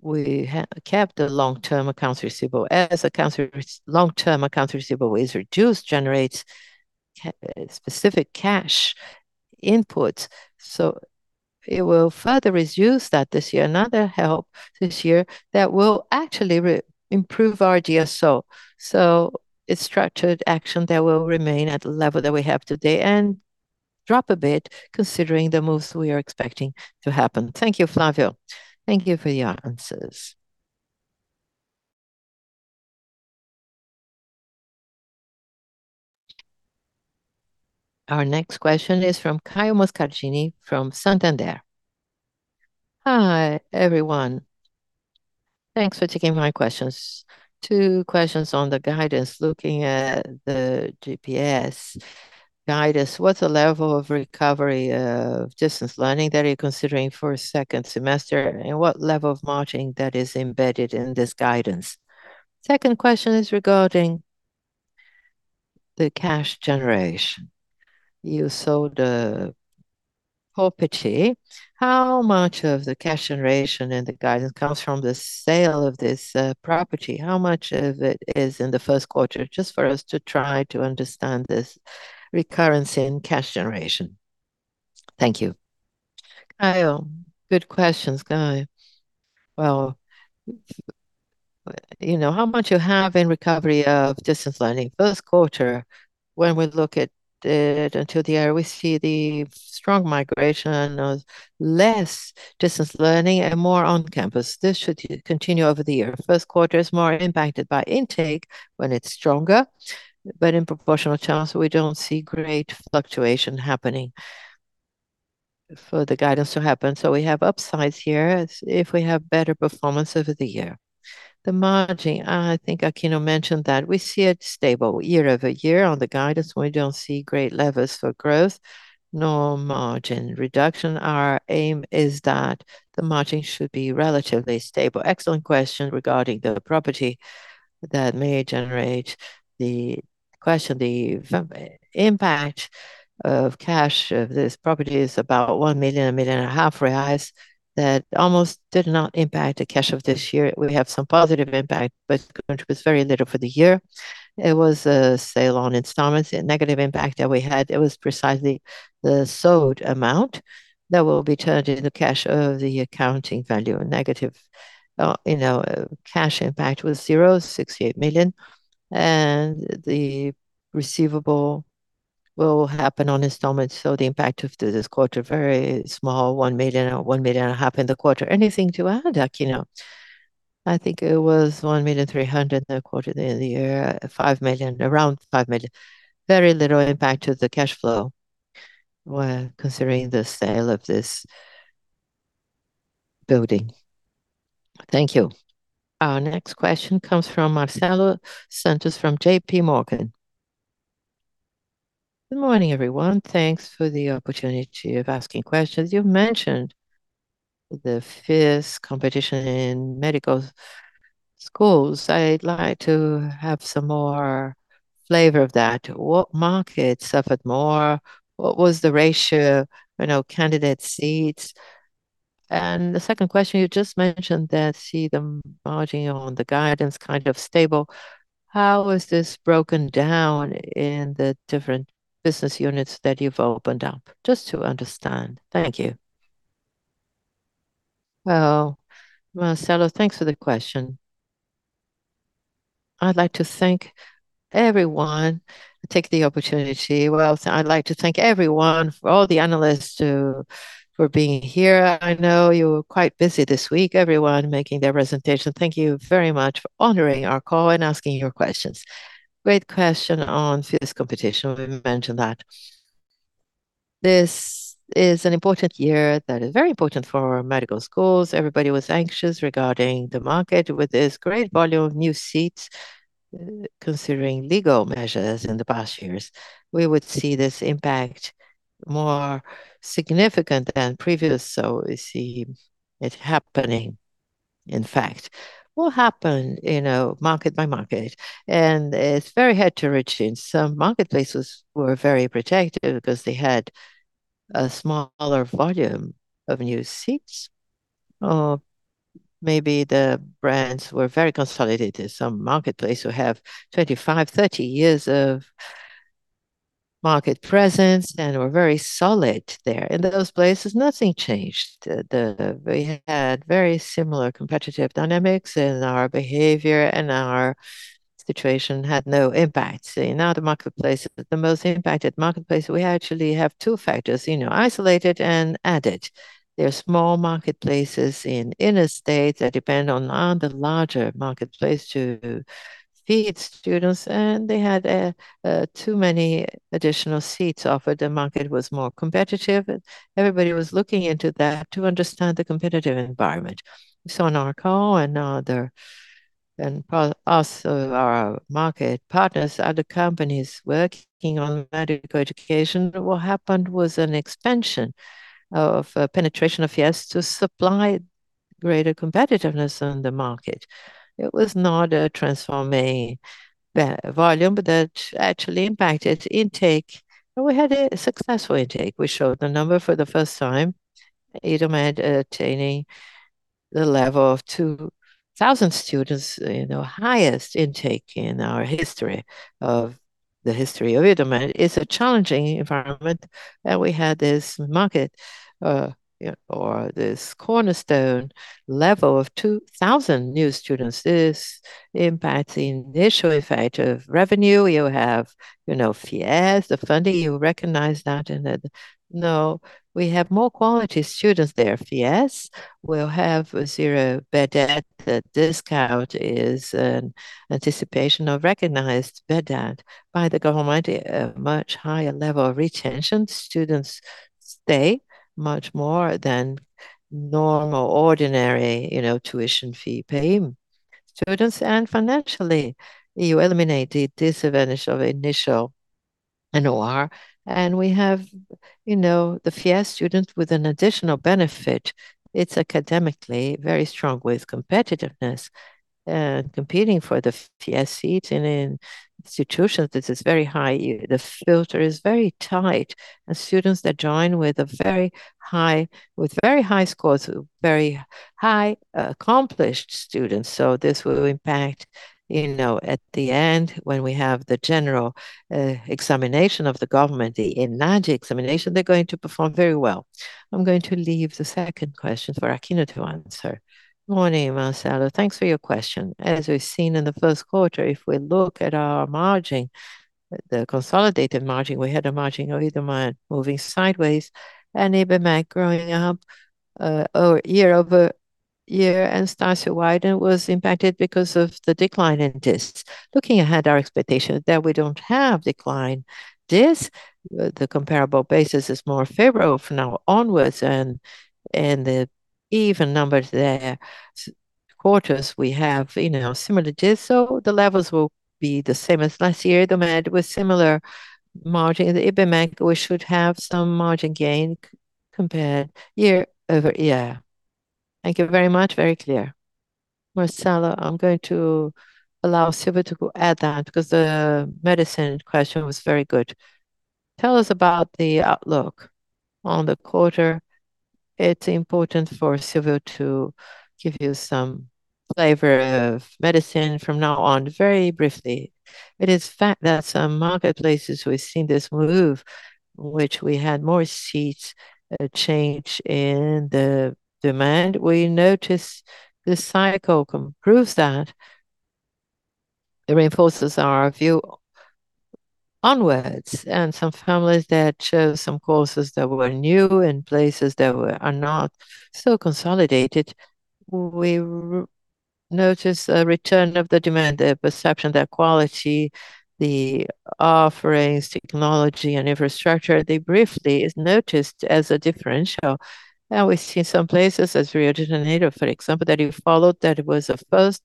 S2: we kept the long-term accounts receivable. As accounts long-term accounts receivable is reduced, generates specific cash inputs. It will further reduce that this year. Another help this year that will actually improve our DSO. It's structured action that will remain at the level that we have today, and drop a bit considering the moves we are expecting to happen. Thank you, Flavio.
S5: Thank you for your answers.
S1: Our next question is from Caio Moscardini from Santander.
S6: Hi, everyone. Thanks for taking my questions. Two questions on the guidance. Looking at the GPS guidance, what's the level of recovery of distance learning that you're considering for second semester, what level of margin that is embedded in this guidance? Second question is regarding the cash generation. You sold a property. How much of the cash generation in the guidance comes from the sale of this property? How much of it is in the first quarter? Just for us to try to understand this recurrence in cash generation.
S2: Thank you. Caio. Good questions, Caio. Well, you know, how much you have in recovery of distance learning. First quarter, when we look at it until the year, we see the strong migration of less distance learning and more on-campus. This should continue over the year. First quarter is more impacted by intake when it's stronger, but in proportional terms, we don't see great fluctuation happening for the guidance to happen. We have upsides here as if we have better performance over the year. The margin, I think Aquino mentioned that. We see it stable year-over-year. On the guidance, we don't see great levers for growth, no margin reduction. Our aim is that the margin should be relatively stable. Excellent question regarding the property that may generate the question. The impact of cash of this property is about 1 million, 1.5 million that almost did not impact the cash of this year. We have some positive impact, it was very little for the year. It was a sale on installments. The negative impact that we had, it was precisely the sold amount that will be turned into cash of the accounting value. A negative, you know, cash impact was 0.68 million. The receivable will happen on installments, the impact of this quarter, very small, 1 million or 1.5 million in the quarter. Anything to add, Aquino?
S3: I think it was 1.3 million in the quarter. In the year, 5 million, around 5 million. Very little impact to the cash flow when considering the sale of this building.
S1: Thank you. Our next question comes from Marcelo Santos from JPMorgan.
S7: Good morning, everyone. Thanks for the opportunity of asking questions. You've mentioned the fierce competition in medical schools. I'd like to have some more flavor of that. What market suffered more? What was the ratio, you know, candidate seats? The second question, you just mentioned that see the margin on the guidance kind of stable. How is this broken down in the different business units that you've opened up? Just to understand. Thank you.
S2: Well, Marcelo, thanks for the question. I'd like to thank everyone. Take the opportunity. Well, I'd like to thank everyone for all the analysts for being here. I know you're quite busy this week, everyone making their presentation. Thank you very much for honoring our call and asking your questions. Great question on fierce competition. We've mentioned that. This is an important year. That is very important for our medical schools. Everybody was anxious regarding the market with this great volume of new seats. Considering legal measures in the past years, we would see this impact more significant than previous. We see it happening, in fact. What happened, you know, market by market, it's very hard to reach in some marketplaces were very protective because they had a smaller volume of new seats. Maybe the brands were very consolidated. Some marketplace who have 25, 30 years of market presence and were very solid there. In those places, nothing changed. We had very similar competitive dynamics in our behavior, our situation had no impact. Now the marketplace, the most impacted marketplace, we actually have two factors, you know, isolated and added. There are small marketplaces in inner states that depend on the larger marketplace to feed students, they had too many additional seats offered. The market was more competitive. Everybody was looking into that to understand the competitive environment. In our call also our market partners, other companies working on medical education, what happened was an expansion of penetration of FIES to supply greater competitiveness in the market. It was not a transforming volume, that actually impacted intake. We had a successful intake. We showed the number for the first time. Idomed attaining the level of 2,000 students, you know, highest intake in our history of the history of Idomed. It's a challenging environment, we had this market, or this cornerstone level of 2,000 new students. This impacts the initial effect of revenue. You have, you know, FIES, the funding, you recognize that and that. Now, we have more quality students there. FIES will have zero bad debt. The discount is an anticipation of recognized bad debt by the government, a much higher level of retention. Students stay much more than normal, ordinary, you know, tuition fee paying students. Financially, you eliminate the disadvantage of initial NOR. We have, you know, the FIES students with an additional benefit. It's academically very strong with competitiveness, competing for the FIES seats in institutions. This is very high. The filter is very tight, students that join with very high scores, very high accomplished students. This will impact, you know, at the end when we have the general examination of the government, the ENADE examination, they're going to perform very well. I'm going to leave the second question for Aquino to answer.
S3: Morning, Marcelo. Thanks for your question. As we've seen in the first quarter, if we look at our margin, the consolidated margin, we had a margin of Idomed moving sideways and Ibmec growing up year-over-year. Estácio Wyden was impacted because of the decline in DIS. Looking ahead, our expectation is that we don't have decline DIS. The comparable basis is more favorable from now onwards and the even numbers there. Quarters we have, you know, similar to this. The levels will be the same as last year. Idomed with similar margin. In the Ibmec, we should have some margin gain compared year-over-year.
S7: Thank you very much. Very clear.
S3: Marcelo, I am going to allow Silvio to add that because the medicine question was very good. Tell us about the outlook on the quarter. It is important for Silvio to give you some flavor of medicine from now on very briefly. It is fact that some marketplaces we have seen this move, which we had more seats change in the demand. We noticed this cycle proves that it reinforces our view onwards. Some families that chose some courses that were new in places that are not so consolidated, we notice a return of the demand, the perception, the quality, the offerings, technology, and infrastructure. They briefly is noticed as a differential. Now we see some places, as Rio de Janeiro, for example, that you followed, that it was a first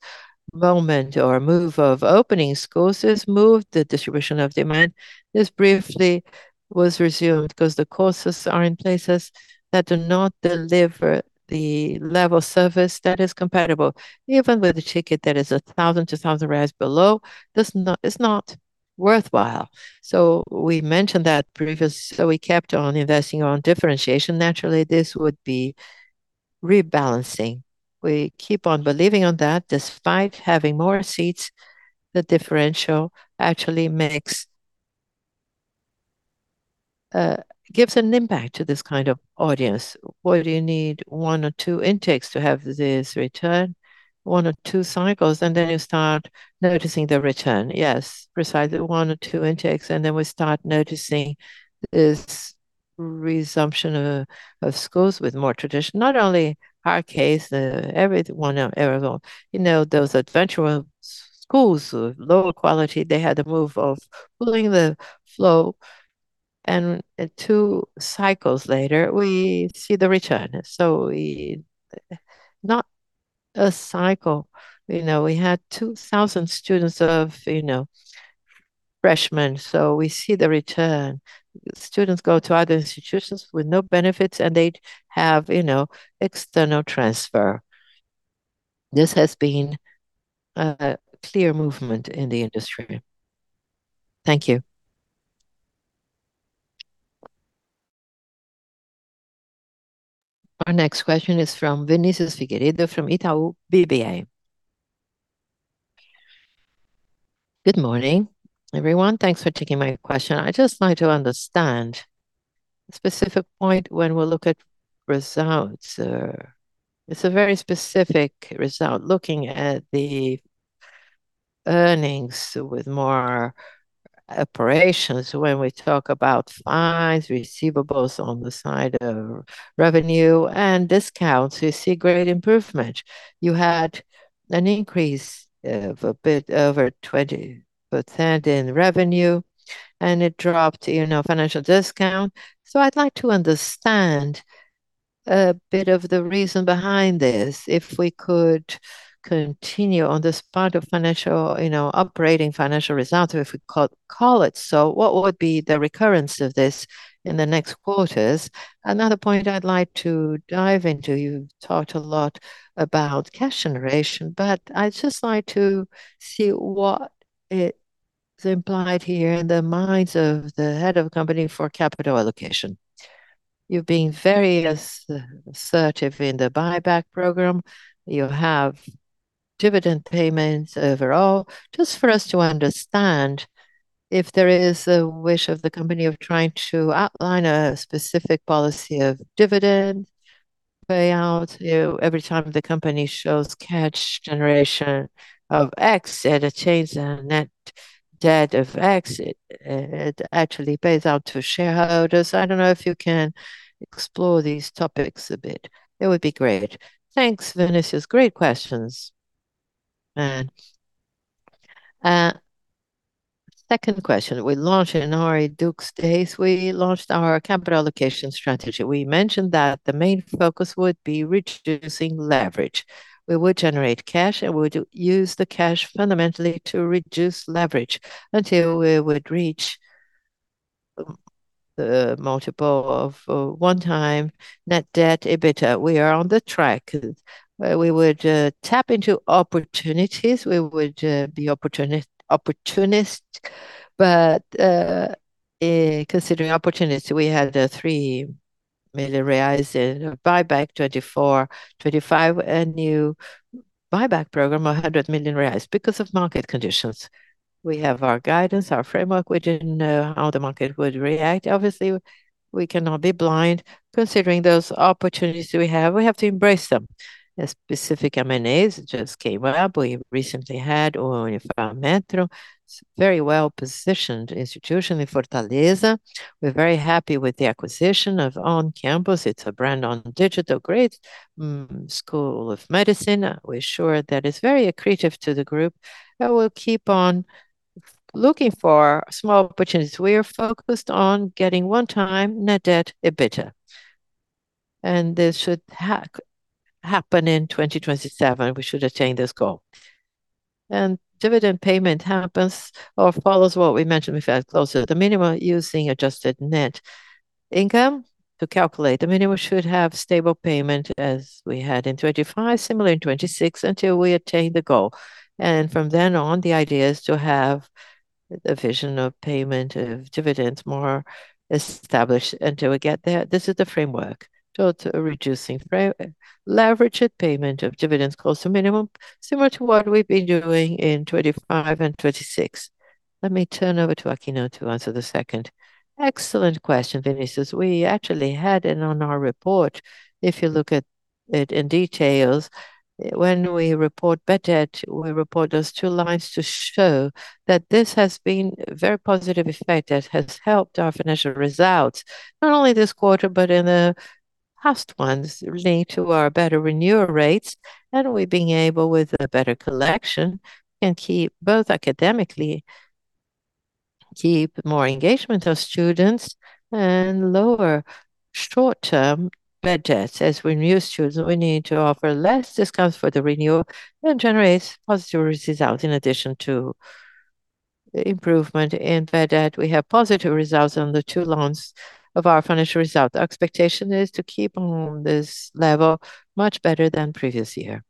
S3: moment or move of opening courses, moved the distribution of demand.
S8: This briefly was resumed because the courses are in places that do not deliver the level of service that is comparable. Even with a ticket that is 1,000 to BRL 1,000 below, this is not worthwhile. We mentioned that previously. We kept on investing on differentiation. Naturally, this would be rebalancing. We keep on believing on that. Despite having more seats, the differential actually gives an impact to this kind of audience. What do you need? One or two intakes to have this return. One or two cycles, then you start noticing the return. Yes, precisely one or two intakes, then we start noticing this resumption of schools with more tradition. Not only our case, every one of everyone. You know, those adventurous schools with lower quality, they had a move of pulling the flow. Two cycles later, we see the return. Not a cycle. You know, we had 2,000 students of, you know, freshmen, we see the return. Students go to other institutions with no benefits, they have, you know, external transfer. This has been a clear movement in the industry.
S7: Thank you.
S1: Our next question is from Vinicius Figueiredo from Itaú BBA.
S9: Good morning, everyone. Thanks for taking my question. I'd just like to understand a specific point when we look at results. It's a very specific result. Looking at the earnings with more operations, when we talk about fines, receivables on the side of revenue and discounts, we see great improvement. You had an increase of a bit over 20% in revenue, it dropped, you know, financial discount. I'd like to understand a bit of the reason behind this. If we could continue on this part of financial, you know, operating financial results, if we call it so, what would be the recurrence of this in the next quarters? Another point I'd like to dive into, you've talked a lot about cash generation, but I'd just like to see what it is implied here in the minds of the head of company for capital allocation. You've been very assertive in the buyback program. You have dividend payments overall. Just for us to understand if there is a wish of the company of trying to outline a specific policy of dividend payout every time the company shows cash generation of X, it attains a net debt of X. It actually pays out to shareholders. I don't know if you can explore these topics a bit. It would be great.
S2: Thanks, Vinicius. Great questions. Second question. We launched in our YDUQS Day, our capital allocation strategy. We mentioned that the main focus would be reducing leverage. We would generate cash, and we would use the cash fundamentally to reduce leverage until we would reach the multiple of 1 time net debt EBITDA. We are on the track. We would tap into opportunities. We would be opportunist, but considering opportunities, we had 3 million reais in buyback 2024, 2025, a new buyback program of 100 million reais because of market conditions. We have our guidance, our framework. We didn't know how the market would react. Obviously, we cannot be blind considering those opportunities we have. We have to embrace them. A specific M&A has just came up. We recently had Unifametro. It's a very well-positioned institution in Fortaleza. We're very happy with the acquisition of on campus. It's a brand on digital grade, school of medicine. We're sure that it's very accretive to the group, and we'll keep on looking for small opportunities. We are focused on getting one time net debt EBITDA, and this should happen in 2027. We should attain this goal. Dividend payment happens or follows what we mentioned. We fell closer to the minimum using adjusted net income to calculate. The minimum should have stable payment as we had in 2025, similar in 2026, until we attain the goal. From then on, the idea is to have a vision of payment of dividends more established until we get there. This is the framework towards reducing leverage at payment of dividends close to minimum, similar to what we've been doing in 25 and 26. Let me turn over to Aquino to answer the second.
S3: Excellent question, Vinicius. We actually had it on our report, if you look at it in details. When we report Bad Debt, we report those two lines to show that this has been a very positive effect that has helped our financial results, not only this quarter, but in the past ones relating to our better renewal rates and we being able with a better collection and keep both academically, keep more engagement of students and lower short-term bad debts. As we renew students, we need to offer less discounts for the renewal and generate positive results in addition to improvement in bad debt. We have positive results on the two loans of our financial results. Our expectation is to keep on this level much better than previous year.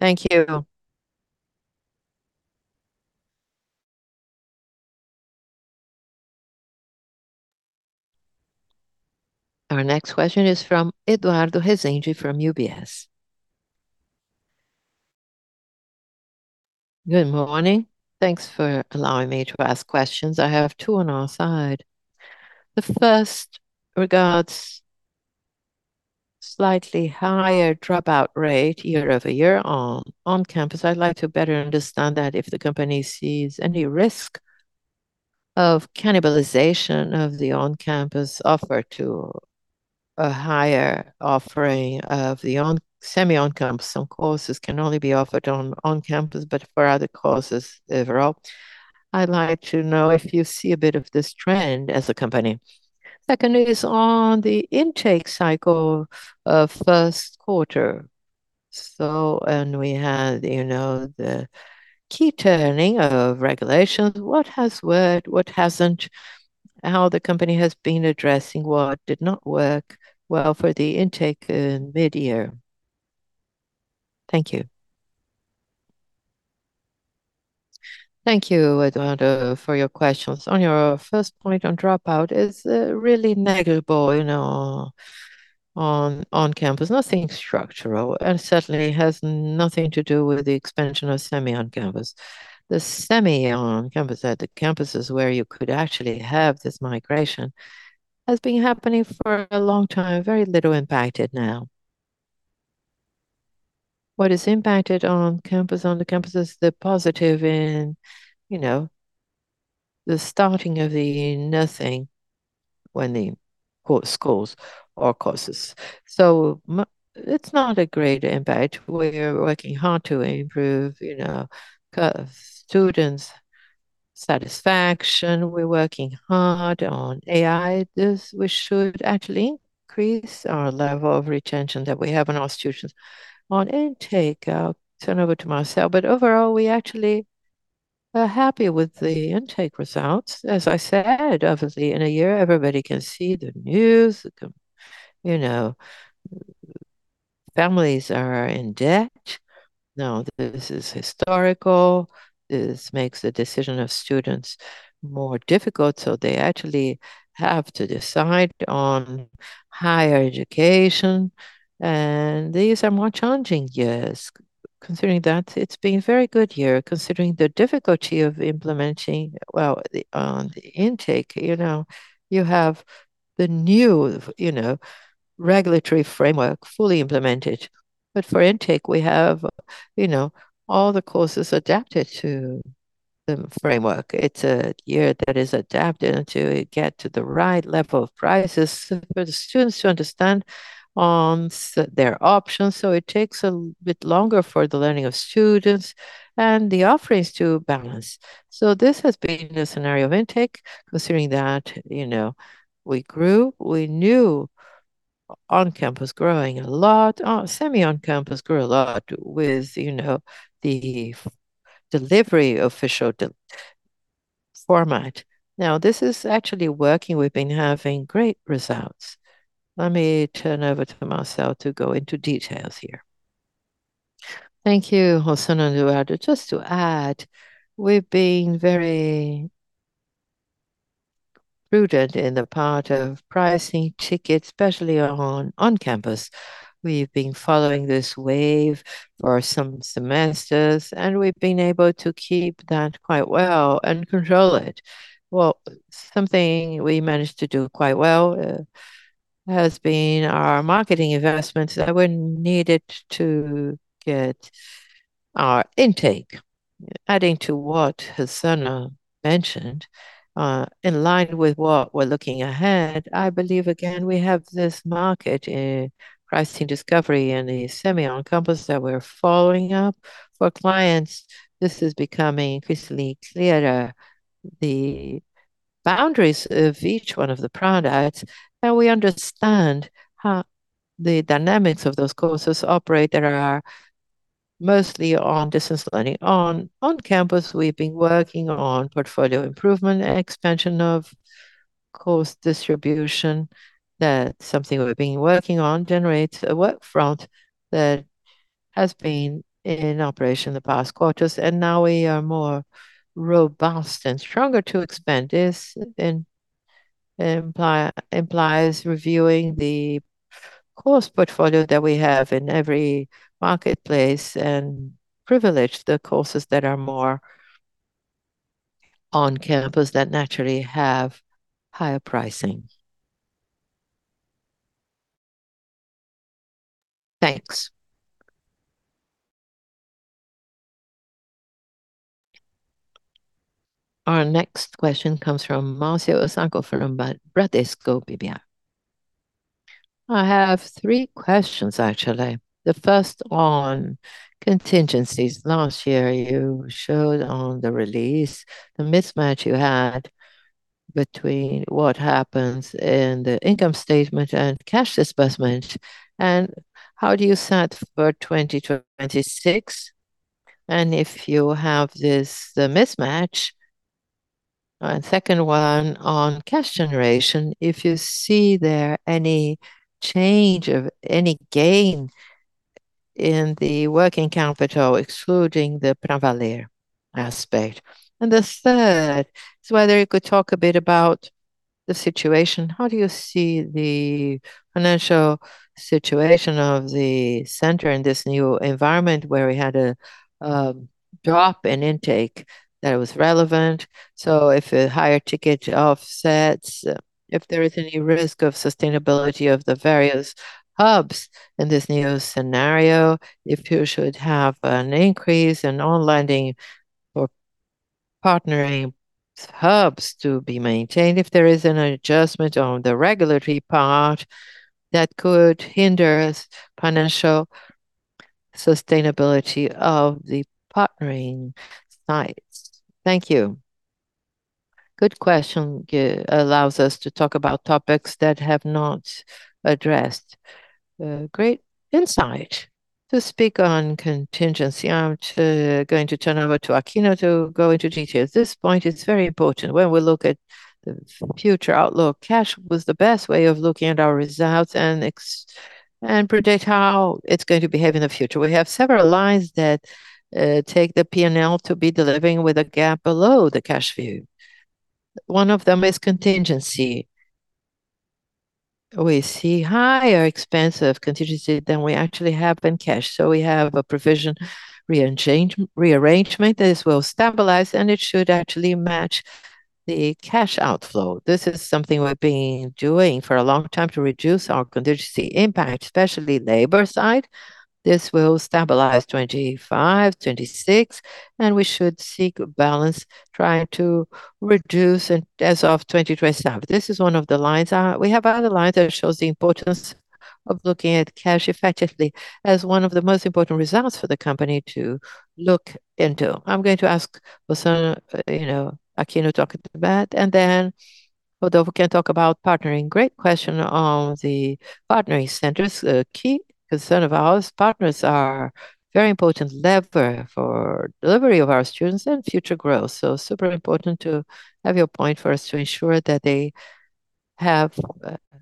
S9: Thank you.
S1: Our next question is from Eduardo Resende from UBS.
S10: Good morning. Thanks for allowing me to ask questions. I have two on our side. The first regards slightly higher dropout rate year-over-year on On Campus. I'd like to better understand that if the company sees any risk of cannibalization of the On Campus offer a higher offering of the semi on-campus. Some courses can only be offered on campus, but for other courses overall, I'd like to know if you see a bit of this trend as a company. Second is on the intake cycle of first quarter. We had, you know, the key turning of regulations. What has worked, what hasn't, how the company has been addressing what did not work well for the intake in mid-year? Thank you.
S2: Thank you, Eduardo, for your questions. On your first point on dropout, it's really negligible, you know, on campus. Nothing structural, certainly has nothing to do with the expansion of semi on-campus. The semi on-campus, at the campuses where you could actually have this migration, has been happening for a long time. Very little impacted now. What is impacted on campus, on the campuses, the positive in, you know, the starting of nothing within the schools or courses. It's not a great impact. We're working hard to improve, you know, students' satisfaction. We're working hard on AI. This, we should actually increase our level of retention that we have in our institutions. On intake, I'll turn over to Marcel. Overall, we actually are happy with the intake results. As I said, obviously, in a year everybody can see the news, the, you know, families are in debt. Now, this is historical. This makes the decision of students more difficult, so they actually have to decide on higher education. These are more challenging years. Considering that, it's been a very good year considering the difficulty of implementing, well, on the intake. You know, you have the new, you know, regulatory framework fully implemented, but for intake we have, you know, all the courses adapted to the framework. It's a year that is adapted until we get to the right level of prices for the students to understand their options. It takes a bit longer for the learning of students and the offerings to balance. This has been the scenario of intake considering that, you know, we grew. We knew on campus growing a lot, semi on-campus grew a lot with, you know, the delivery official format. This is actually working. We've been having great results. Let me turn over to Marcel to go into details here.
S4: Thank you, Rossano and Eduardo. Just to add, we've been very prudent in the part of pricing tickets, especially on campus. We've been following this wave for some semesters, we've been able to keep that quite well and control it. Something we managed to do quite well has been our marketing investments that were needed to get our intake. Adding to what Rossano mentioned, in line with what we're looking ahead, I believe again we have this market pricing discovery in the semi on-campus that we're following up. For clients, this is becoming increasingly clearer, the boundaries of each one of the products, and we understand how the dynamics of those courses operate that are mostly on distance learning. On campus, we've been working on portfolio improvement and expansion of course distribution. That's something we've been working on, generates a work front that has been in operation the past quarters, and now we are more robust and stronger to expand. This implies reviewing the course portfolio that we have in every marketplace and privilege the courses that are more on campus that naturally have higher pricing.
S1: Thanks. Our next question comes from Marcio Osako from Bradesco BBI. I have three questions, actually.
S11: The first on contingencies. Last year you showed on the release the mismatch you had between what happens in the income statement and cash disbursement, and how do you set for 2026, and if you have this, the mismatch? The second one on cash generation, if you see there any change of any gain in the working capital excluding the Pravaler aspect? The third is whether you could talk a bit about the situation. How do you see the financial situation of the center in this new environment where we had a drop in intake that was relevant?
S2: If a higher ticket offsets, if there is any risk of sustainability of the various hubs in this new scenario, if you should have an increase in online learning for partnering hubs to be maintained if there is an adjustment on the regulatory part that could hinder financial sustainability of the partnering sites. Thank you. Good question. It allows us to talk about topics that have not addressed. Great insight. To speak on contingency, I am going to turn over to Aquino to go into detail.
S3: At this point, it is very important when we look at the future outlook, cash was the best way of looking at our results and predict how it is going to behave in the future. We have several lines that take the P&L to be delivering with a gap below the cash view. One of them is contingency. We see higher expense of contingency than we actually have in cash. We have a provision rearrangement. This will stabilize, it should actually match the cash outflow. This is something we've been doing for a long time to reduce our contingency impact, especially labor side. This will stabilize 2025, 2026, we should seek a balance trying to reduce it as of 2027. This is one of the lines. We have other lines that shows the importance of looking at cash effectively as one of the most important results for the company to look into. I'm going to ask Rossano, you know, talk about, then Rodolfo can talk about partnering.
S2: Great question on the partnering centers. A key concern of ours, partners are very important lever for delivery of our students and future growth. Super important to have your point for us to ensure that they have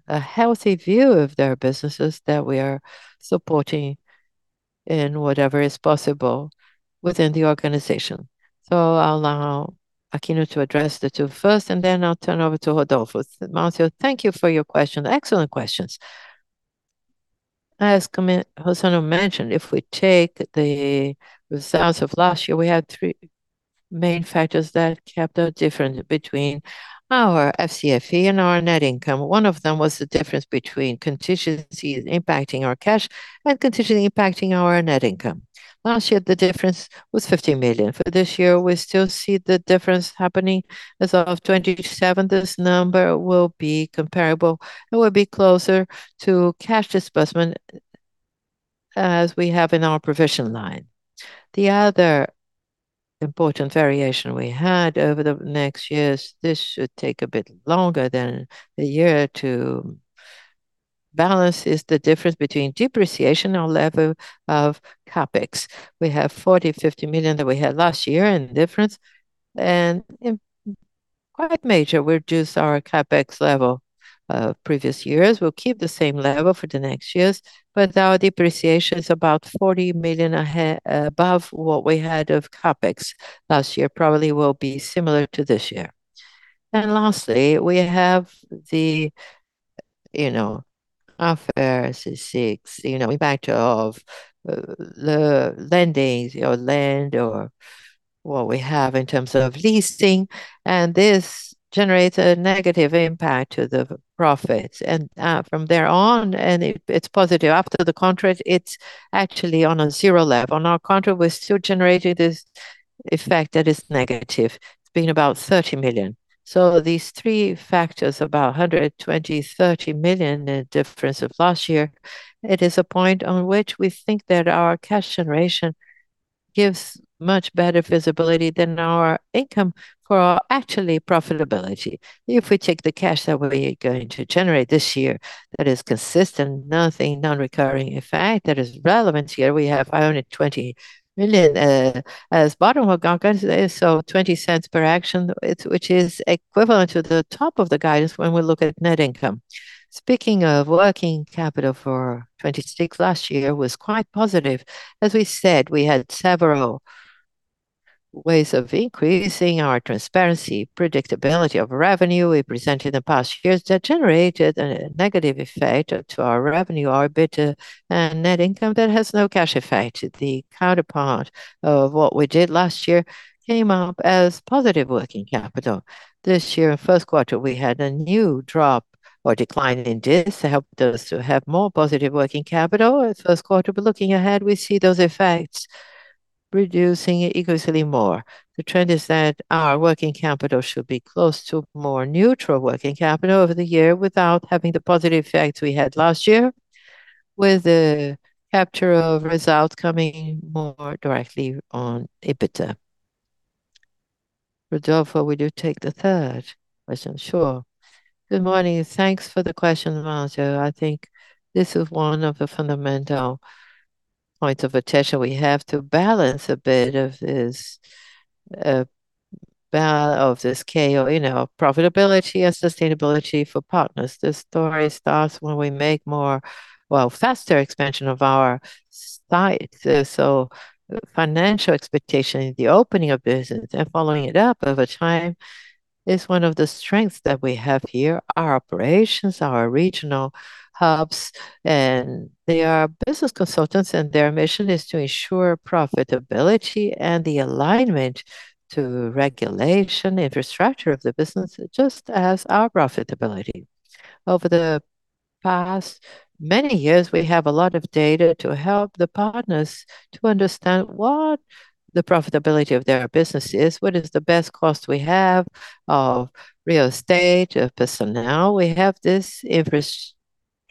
S2: a healthy view of their businesses that we are supporting in whatever is possible within the organization. I'll allow Aquino to address the two first, and then I'll turn over to Rodolfo.
S3: Marcio Osako, thank you for your question. Excellent questions. As Rossano mentioned, if we take the results of last year, we had three main factors that kept the difference between our FCFE and our net income. One of them was the difference between contingencies impacting our cash and contingency impacting our net income. Last year, the difference was 50 million. For this year, we still see the difference happening. As of 2027, this number will be comparable. It will be closer to cash disbursement as we have in our provision line. The other important variation we had over the next years, this should take a bit longer than one year to balance, is the difference between depreciation or level of CapEx. We have 40 million, 50 million that we had last year in difference, and in quite major reduce our CapEx level of previous years. We'll keep the same level for the next years, but our depreciation is about 40 million above what we had of CapEx last year. Probably will be similar to this year. Lastly, we have the, you know, after 2026, you know, impact of lending or lend or what we have in terms of leasing. This generates a negative impact to the profits. From there on, it's positive. After the contract, it's actually on a zero level. On our contract, we're still generating this effect that is negative. It has been about 30 million. These three factors, about 120, 30 million in difference of last year, it is a point on which we think that our cash generation gives much better visibility than our income for our actually profitability. If we take the cash that we are going to generate this year, that is consistent, nothing, non-recurring effect that is relevant here. We have only 20 million as bottom of guidance. 0.20 per share, which is equivalent to the top of the guidance when we look at net income. Speaking of working capital for 2026, last year was quite positive. As we said, we had several ways of increasing our transparency, predictability of revenue we presented in the past years that generated a negative effect to our revenue, our EBITDA, and net income that has no cash effect. The counterpart of what we did last year came up as positive working capital. This year, first quarter, we had a new drop or decline in this. It helped us to have more positive working capital at first quarter. Looking ahead, we see those effects reducing increasingly more. The trend is that our working capital should be close to more neutral working capital over the year without having the positive effects we had last year, with the capture of results coming more directly on EBITDA. Rodolfo, would you take the third question?
S12: Sure. Good morning. Thanks for the question, Marcio. I think this is one of the fundamental points of attention. We have to balance a bit of this of this scale, you know, profitability and sustainability for partners. This story starts when we make more, well, faster expansion of our sites. Financial expectation in the opening of business and following it up over time is one of the strengths that we have here. Our operations, our regional hubs, and they are business consultants, and their mission is to ensure profitability and the alignment to regulation, infrastructure of the business, just as our profitability. Over the past many years, we have a lot of data to help the partners to understand what the profitability of their business is, what is the best cost we have of real estate, of personnel. We have this infrastructure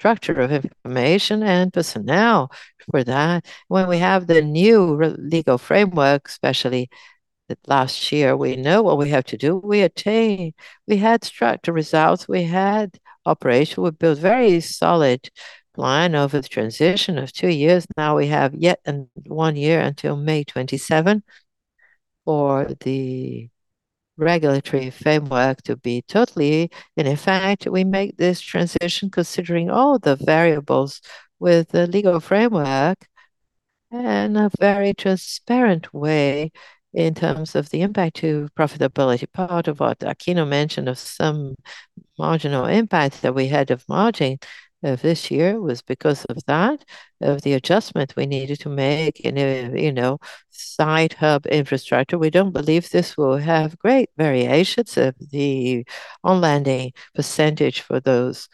S12: of information and personnel for that. When we have the new legal framework, especially the last year, we know what we have to do. We had structured results, we had operation. We built very solid plan over the transition of two years. Now we have yet one year until May 2027 for the regulatory framework to be totally in effect. We make this transition considering all the variables with the legal framework in a very transparent way in terms of the impact to profitability. Part of what Aquino mentioned of some marginal impact that we had of margin of this year was because of that, of the adjustment we needed to make in a, you know, site hub infrastructure. We don't believe this will have great variations of the on-landing percentage for those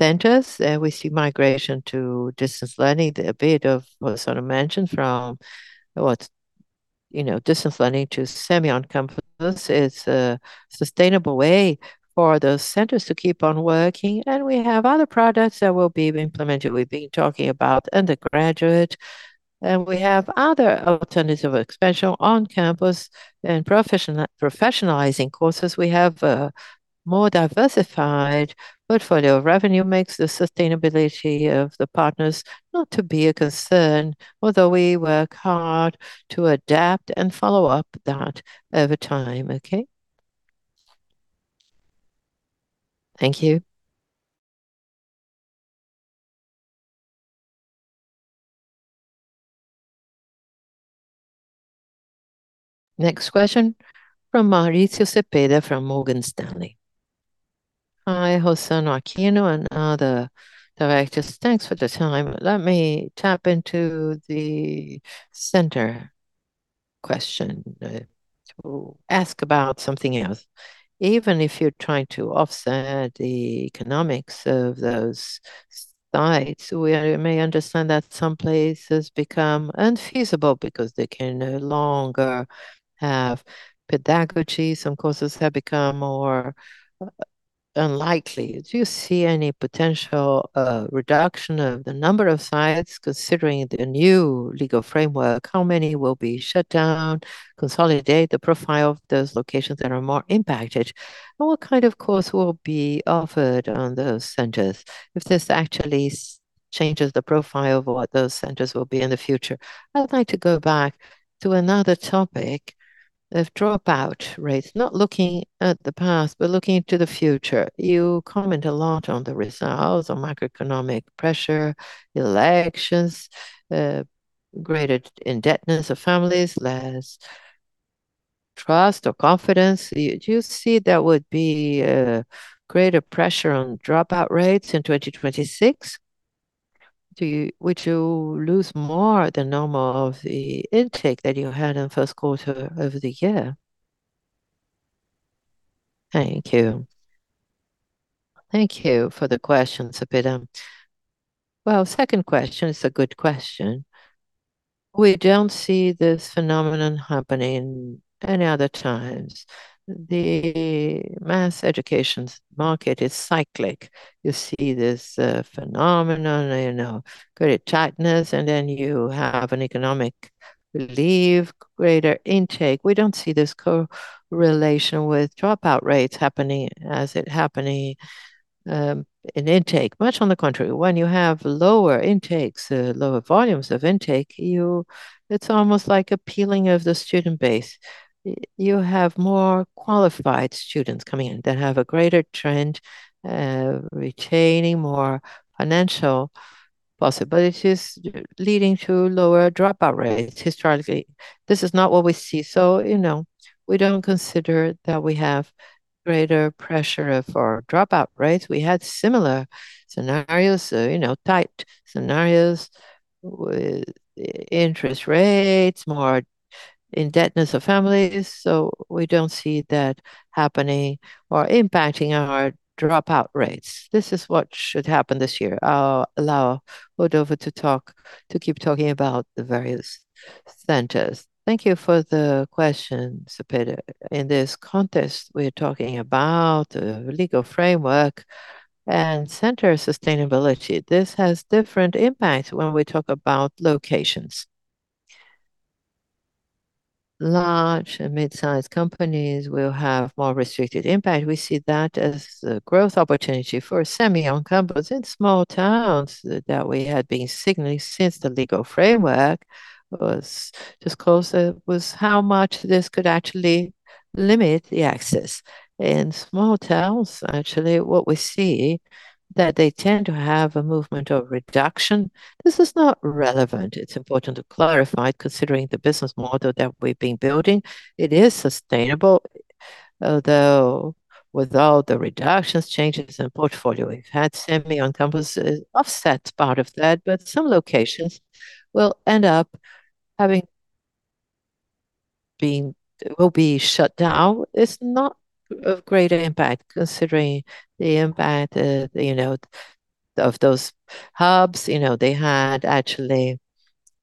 S12: centers. We see migration to distance learning, a bit of what sort of mentioned from what, you know, distance learning to semi on-campus. It's a sustainable way for those centers to keep on working, and we have other products that will be implemented. We've been talking about undergraduate, we have other alternatives of expansion on campus and professionalizing courses. We have a more diversified portfolio of revenue makes the sustainability of the partners not to be a concern, although we work hard to adapt and follow up that over time, okay?
S1: Thank you. Next question from Mauricio Cepeda from Morgan Stanley.
S13: Hi, José, Aquino and other directors. Thanks for the time. Let me tap into the center question to ask about something else. Even if you're trying to offset the economics of those sites, we may understand that some places become unfeasible because they can no longer have pedagogy. Some courses have become more unlikely. Do you see any potential reduction of the number of sites considering the new legal framework? How many will be shut down, consolidate the profile of those locations that are more impacted? What kind of course will be offered on those centers if this actually changes the profile of what those centers will be in the future? I'd like to go back to another topic of dropout rates, not looking at the past, but looking to the future. You comment a lot on the results of macroeconomic pressure, elections, greater indebtedness of families, less trust or confidence. Do you see there would be a greater pressure on dropout rates in 2026? Would you lose more than normal of the intake that you had in first quarter of the year? Thank you.
S2: Thank you for the question, Cepeda. Well, second question is a good question. We don't see this phenomenon happening any other times. The mass education market is cyclic. You see this phenomenon, you know, credit tightness, and then you have an economic relief, greater intake. We don't see this correlation with dropout rates happening in intake. Much on the contrary, when you have lower intakes, lower volumes of intake, it's almost like a peeling of the student base. You have more qualified students coming in that have a greater trend, retaining more financial possibilities leading to lower dropout rates historically. This is not what we see. You know, we don't consider that we have greater pressure for dropout rates. We had similar scenarios, you know, tight scenarios with interest rates, more indebtedness of families, we don't see that happening or impacting our dropout rates. This is what should happen this year. I'll allow Rodolfo to talk, to keep talking about the various centers.
S12: Thank you for the question, Cepeda. In this context, we're talking about legal framework and center sustainability. This has different impacts when we talk about locations. Large and mid-sized companies will have more restricted impact. We see that as a growth opportunity for semi on-campus in small towns that we had been signaling since the legal framework was disclosed, was how much this could actually limit the access. In small towns, actually, what we see, that they tend to have a movement of reduction. This is not relevant, it's important to clarify, considering the business model that we've been building. It is sustainable, although with all the reductions, changes in portfolio, we've had semi on-campus offset part of that, but some locations will end up will be shut down is not of great impact considering the impact, you know, of those hubs. You know, they had actually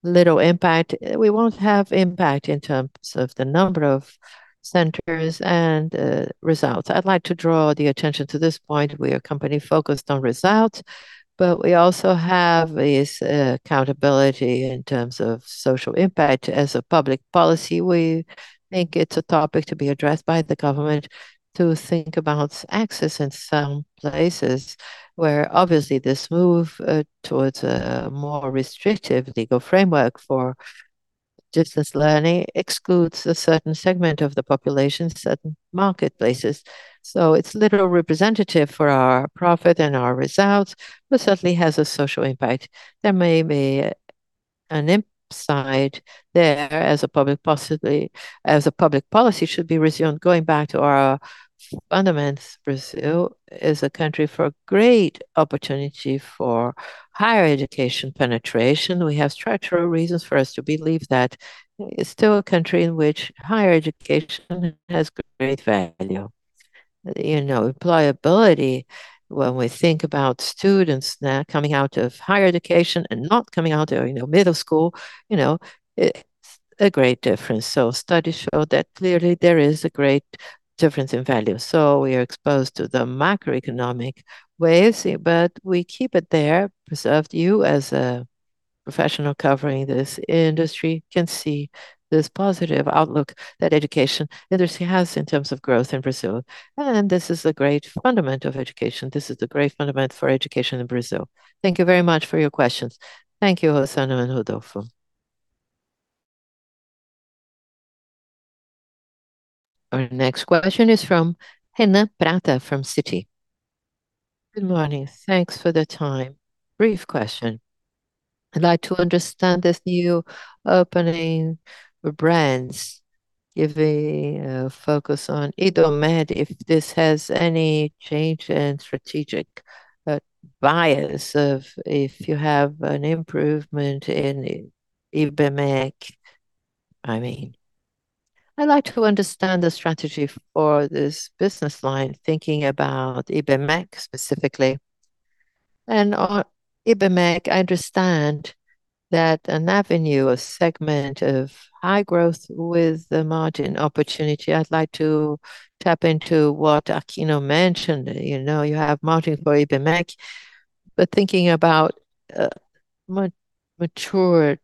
S12: little impact. We won't have impact in terms of the number of centers and results. I'd like to draw the attention to this point. We are a company focused on results, but we also have this accountability in terms of social impact. As a public policy, we think it's a topic to be addressed by the government to think about access in some places where obviously this move towards a more restrictive legal framework for distance learning excludes a certain segment of the population, certain marketplaces. It's little representative for our profit and our results, but certainly has a social impact. There may be an impact side there as a public policy should be resumed. Going back to our fundamentals, Brazil is a country for great opportunity for higher education penetration. We have structural reasons for us to believe that it's still a country in which higher education has great value. You know, employability when we think about students now coming out of higher education and not coming out of, you know, middle school, you know, it's a great difference. Studies show that clearly there is a great difference in value. We are exposed to the macroeconomic waves, but we keep it there preserved. You as a professional covering this industry can see this positive outlook that education industry has in terms of growth in Brazil, and this is a great fundament of education. This is a great fundament for education in Brazil. Thank you very much for your questions.
S13: Thank you, Rossano and Rodolfo.
S1: Our next question is from Renan Prata from Citi.
S14: Good morning. Thanks for the time. Brief question, I'd like to understand this new opening brands giving a focus on Idomed, if this has any change in strategic bias of if you have an improvement in Ibmec, I mean. I'd like to understand the strategy for this business line, thinking about Ibmec specifically. On Ibmec, I understand that an avenue, a segment of high growth with the margin opportunity. I'd like to tap into what Aquino mentioned. You know, you have margin for Ibmec. Thinking about a mature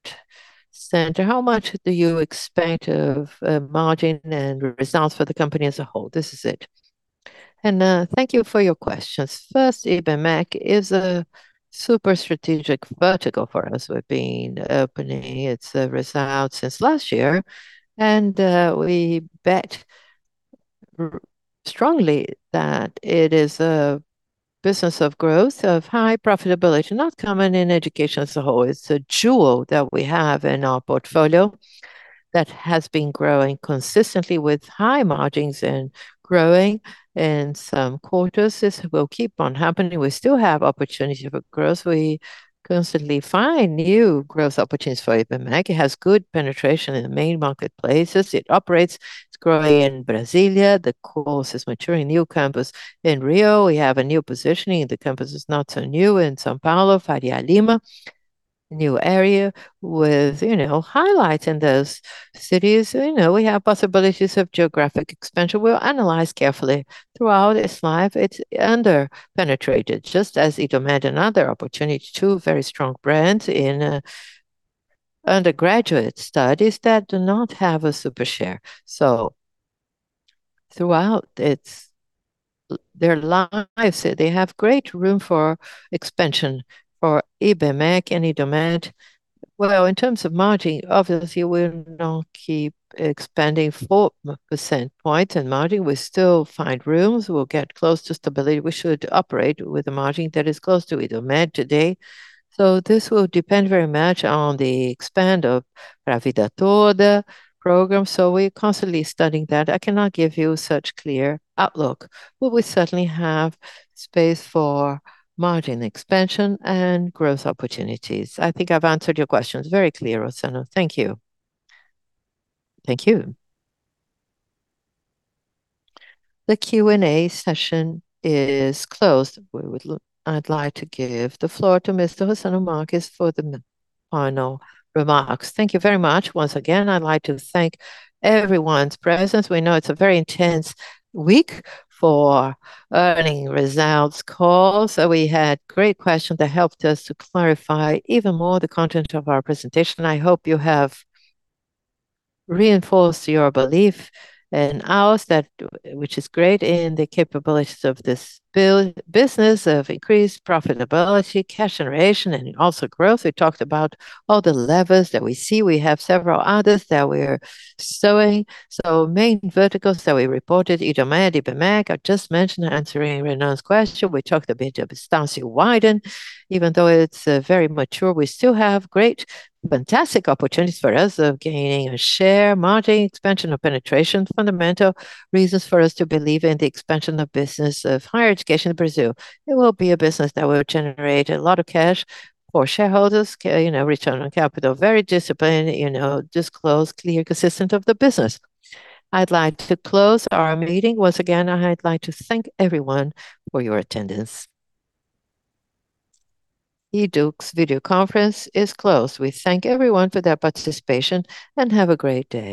S14: center, how much do you expect of a margin and results for the company as a whole? This is it.
S2: Renan, thank you for your questions. First, Ibmec is a super strategic vertical for us. We've been opening its results since last year, we bet strongly that it is a business of growth, of high profitability, not common in education as a whole. It's a jewel that we have in our portfolio that has been growing consistently with high margins and growing in some quarters. This will keep on happening. We still have opportunity for growth. We constantly find new growth opportunities for Ibmec. It has good penetration in the main marketplaces it operates. It's growing in Brasília. The course is maturing. New campus in Rio. We have a new positioning. The campus is not so new in São Paulo, Faria Lima. New area with, you know, highlights in those cities. You know, we have possibilities of geographic expansion. We'll analyze carefully. Throughout its life, it's under-penetrated, just as Idomed, another opportunity, two very strong brands in undergraduate studies that do not have a super share. Throughout their lives, they have great room for expansion for Ibmec and Idomed. Well, in terms of margin, obviously we'll not keep expanding 4 percentage points in margin. We still find rooms. We'll get close to stability. We should operate with a margin that is close to Idomed today. This will depend very much on the expand of Para a Vida Toda program, so we're constantly studying that. I cannot give you such clear outlook. We certainly have space for margin expansion and growth opportunities. I think I've answered your questions very clear, Rossano. Thank you.
S1: Thank you. The Q&A session is closed. I'd like to give the floor to Mr. Rossano Marques for the final remarks.
S2: Thank you very much once again. I'd like to thank everyone's presence. We know it's a very intense week for earnings results call. We had great questions that helped us to clarify even more the content of our presentation. I hope you have reinforced your belief in ours, that, which is great, in the capabilities of this business, of increased profitability, cash generation, and also growth. We talked about all the levers that we see. We have several others that we're sowing. Main verticals that we reported, Idomed, Ibmec. I just mentioned answering Renan's question. We talked a bit of Estácio Wyden. Even though it's very mature, we still have great, fantastic opportunities for us of gaining a share, margin expansion or penetration. Fundamental reasons for us to believe in the expansion of business of higher education in Brazil. It will be a business that will generate a lot of cash for shareholders. You know, return on capital, very disciplined, you know, disclosed, clear, consistent of the business. I'd like to close our meeting. Once again, I'd like to thank everyone for your attendance.
S1: YDUQS' video conference is closed. We thank everyone for their participation, and have a great day.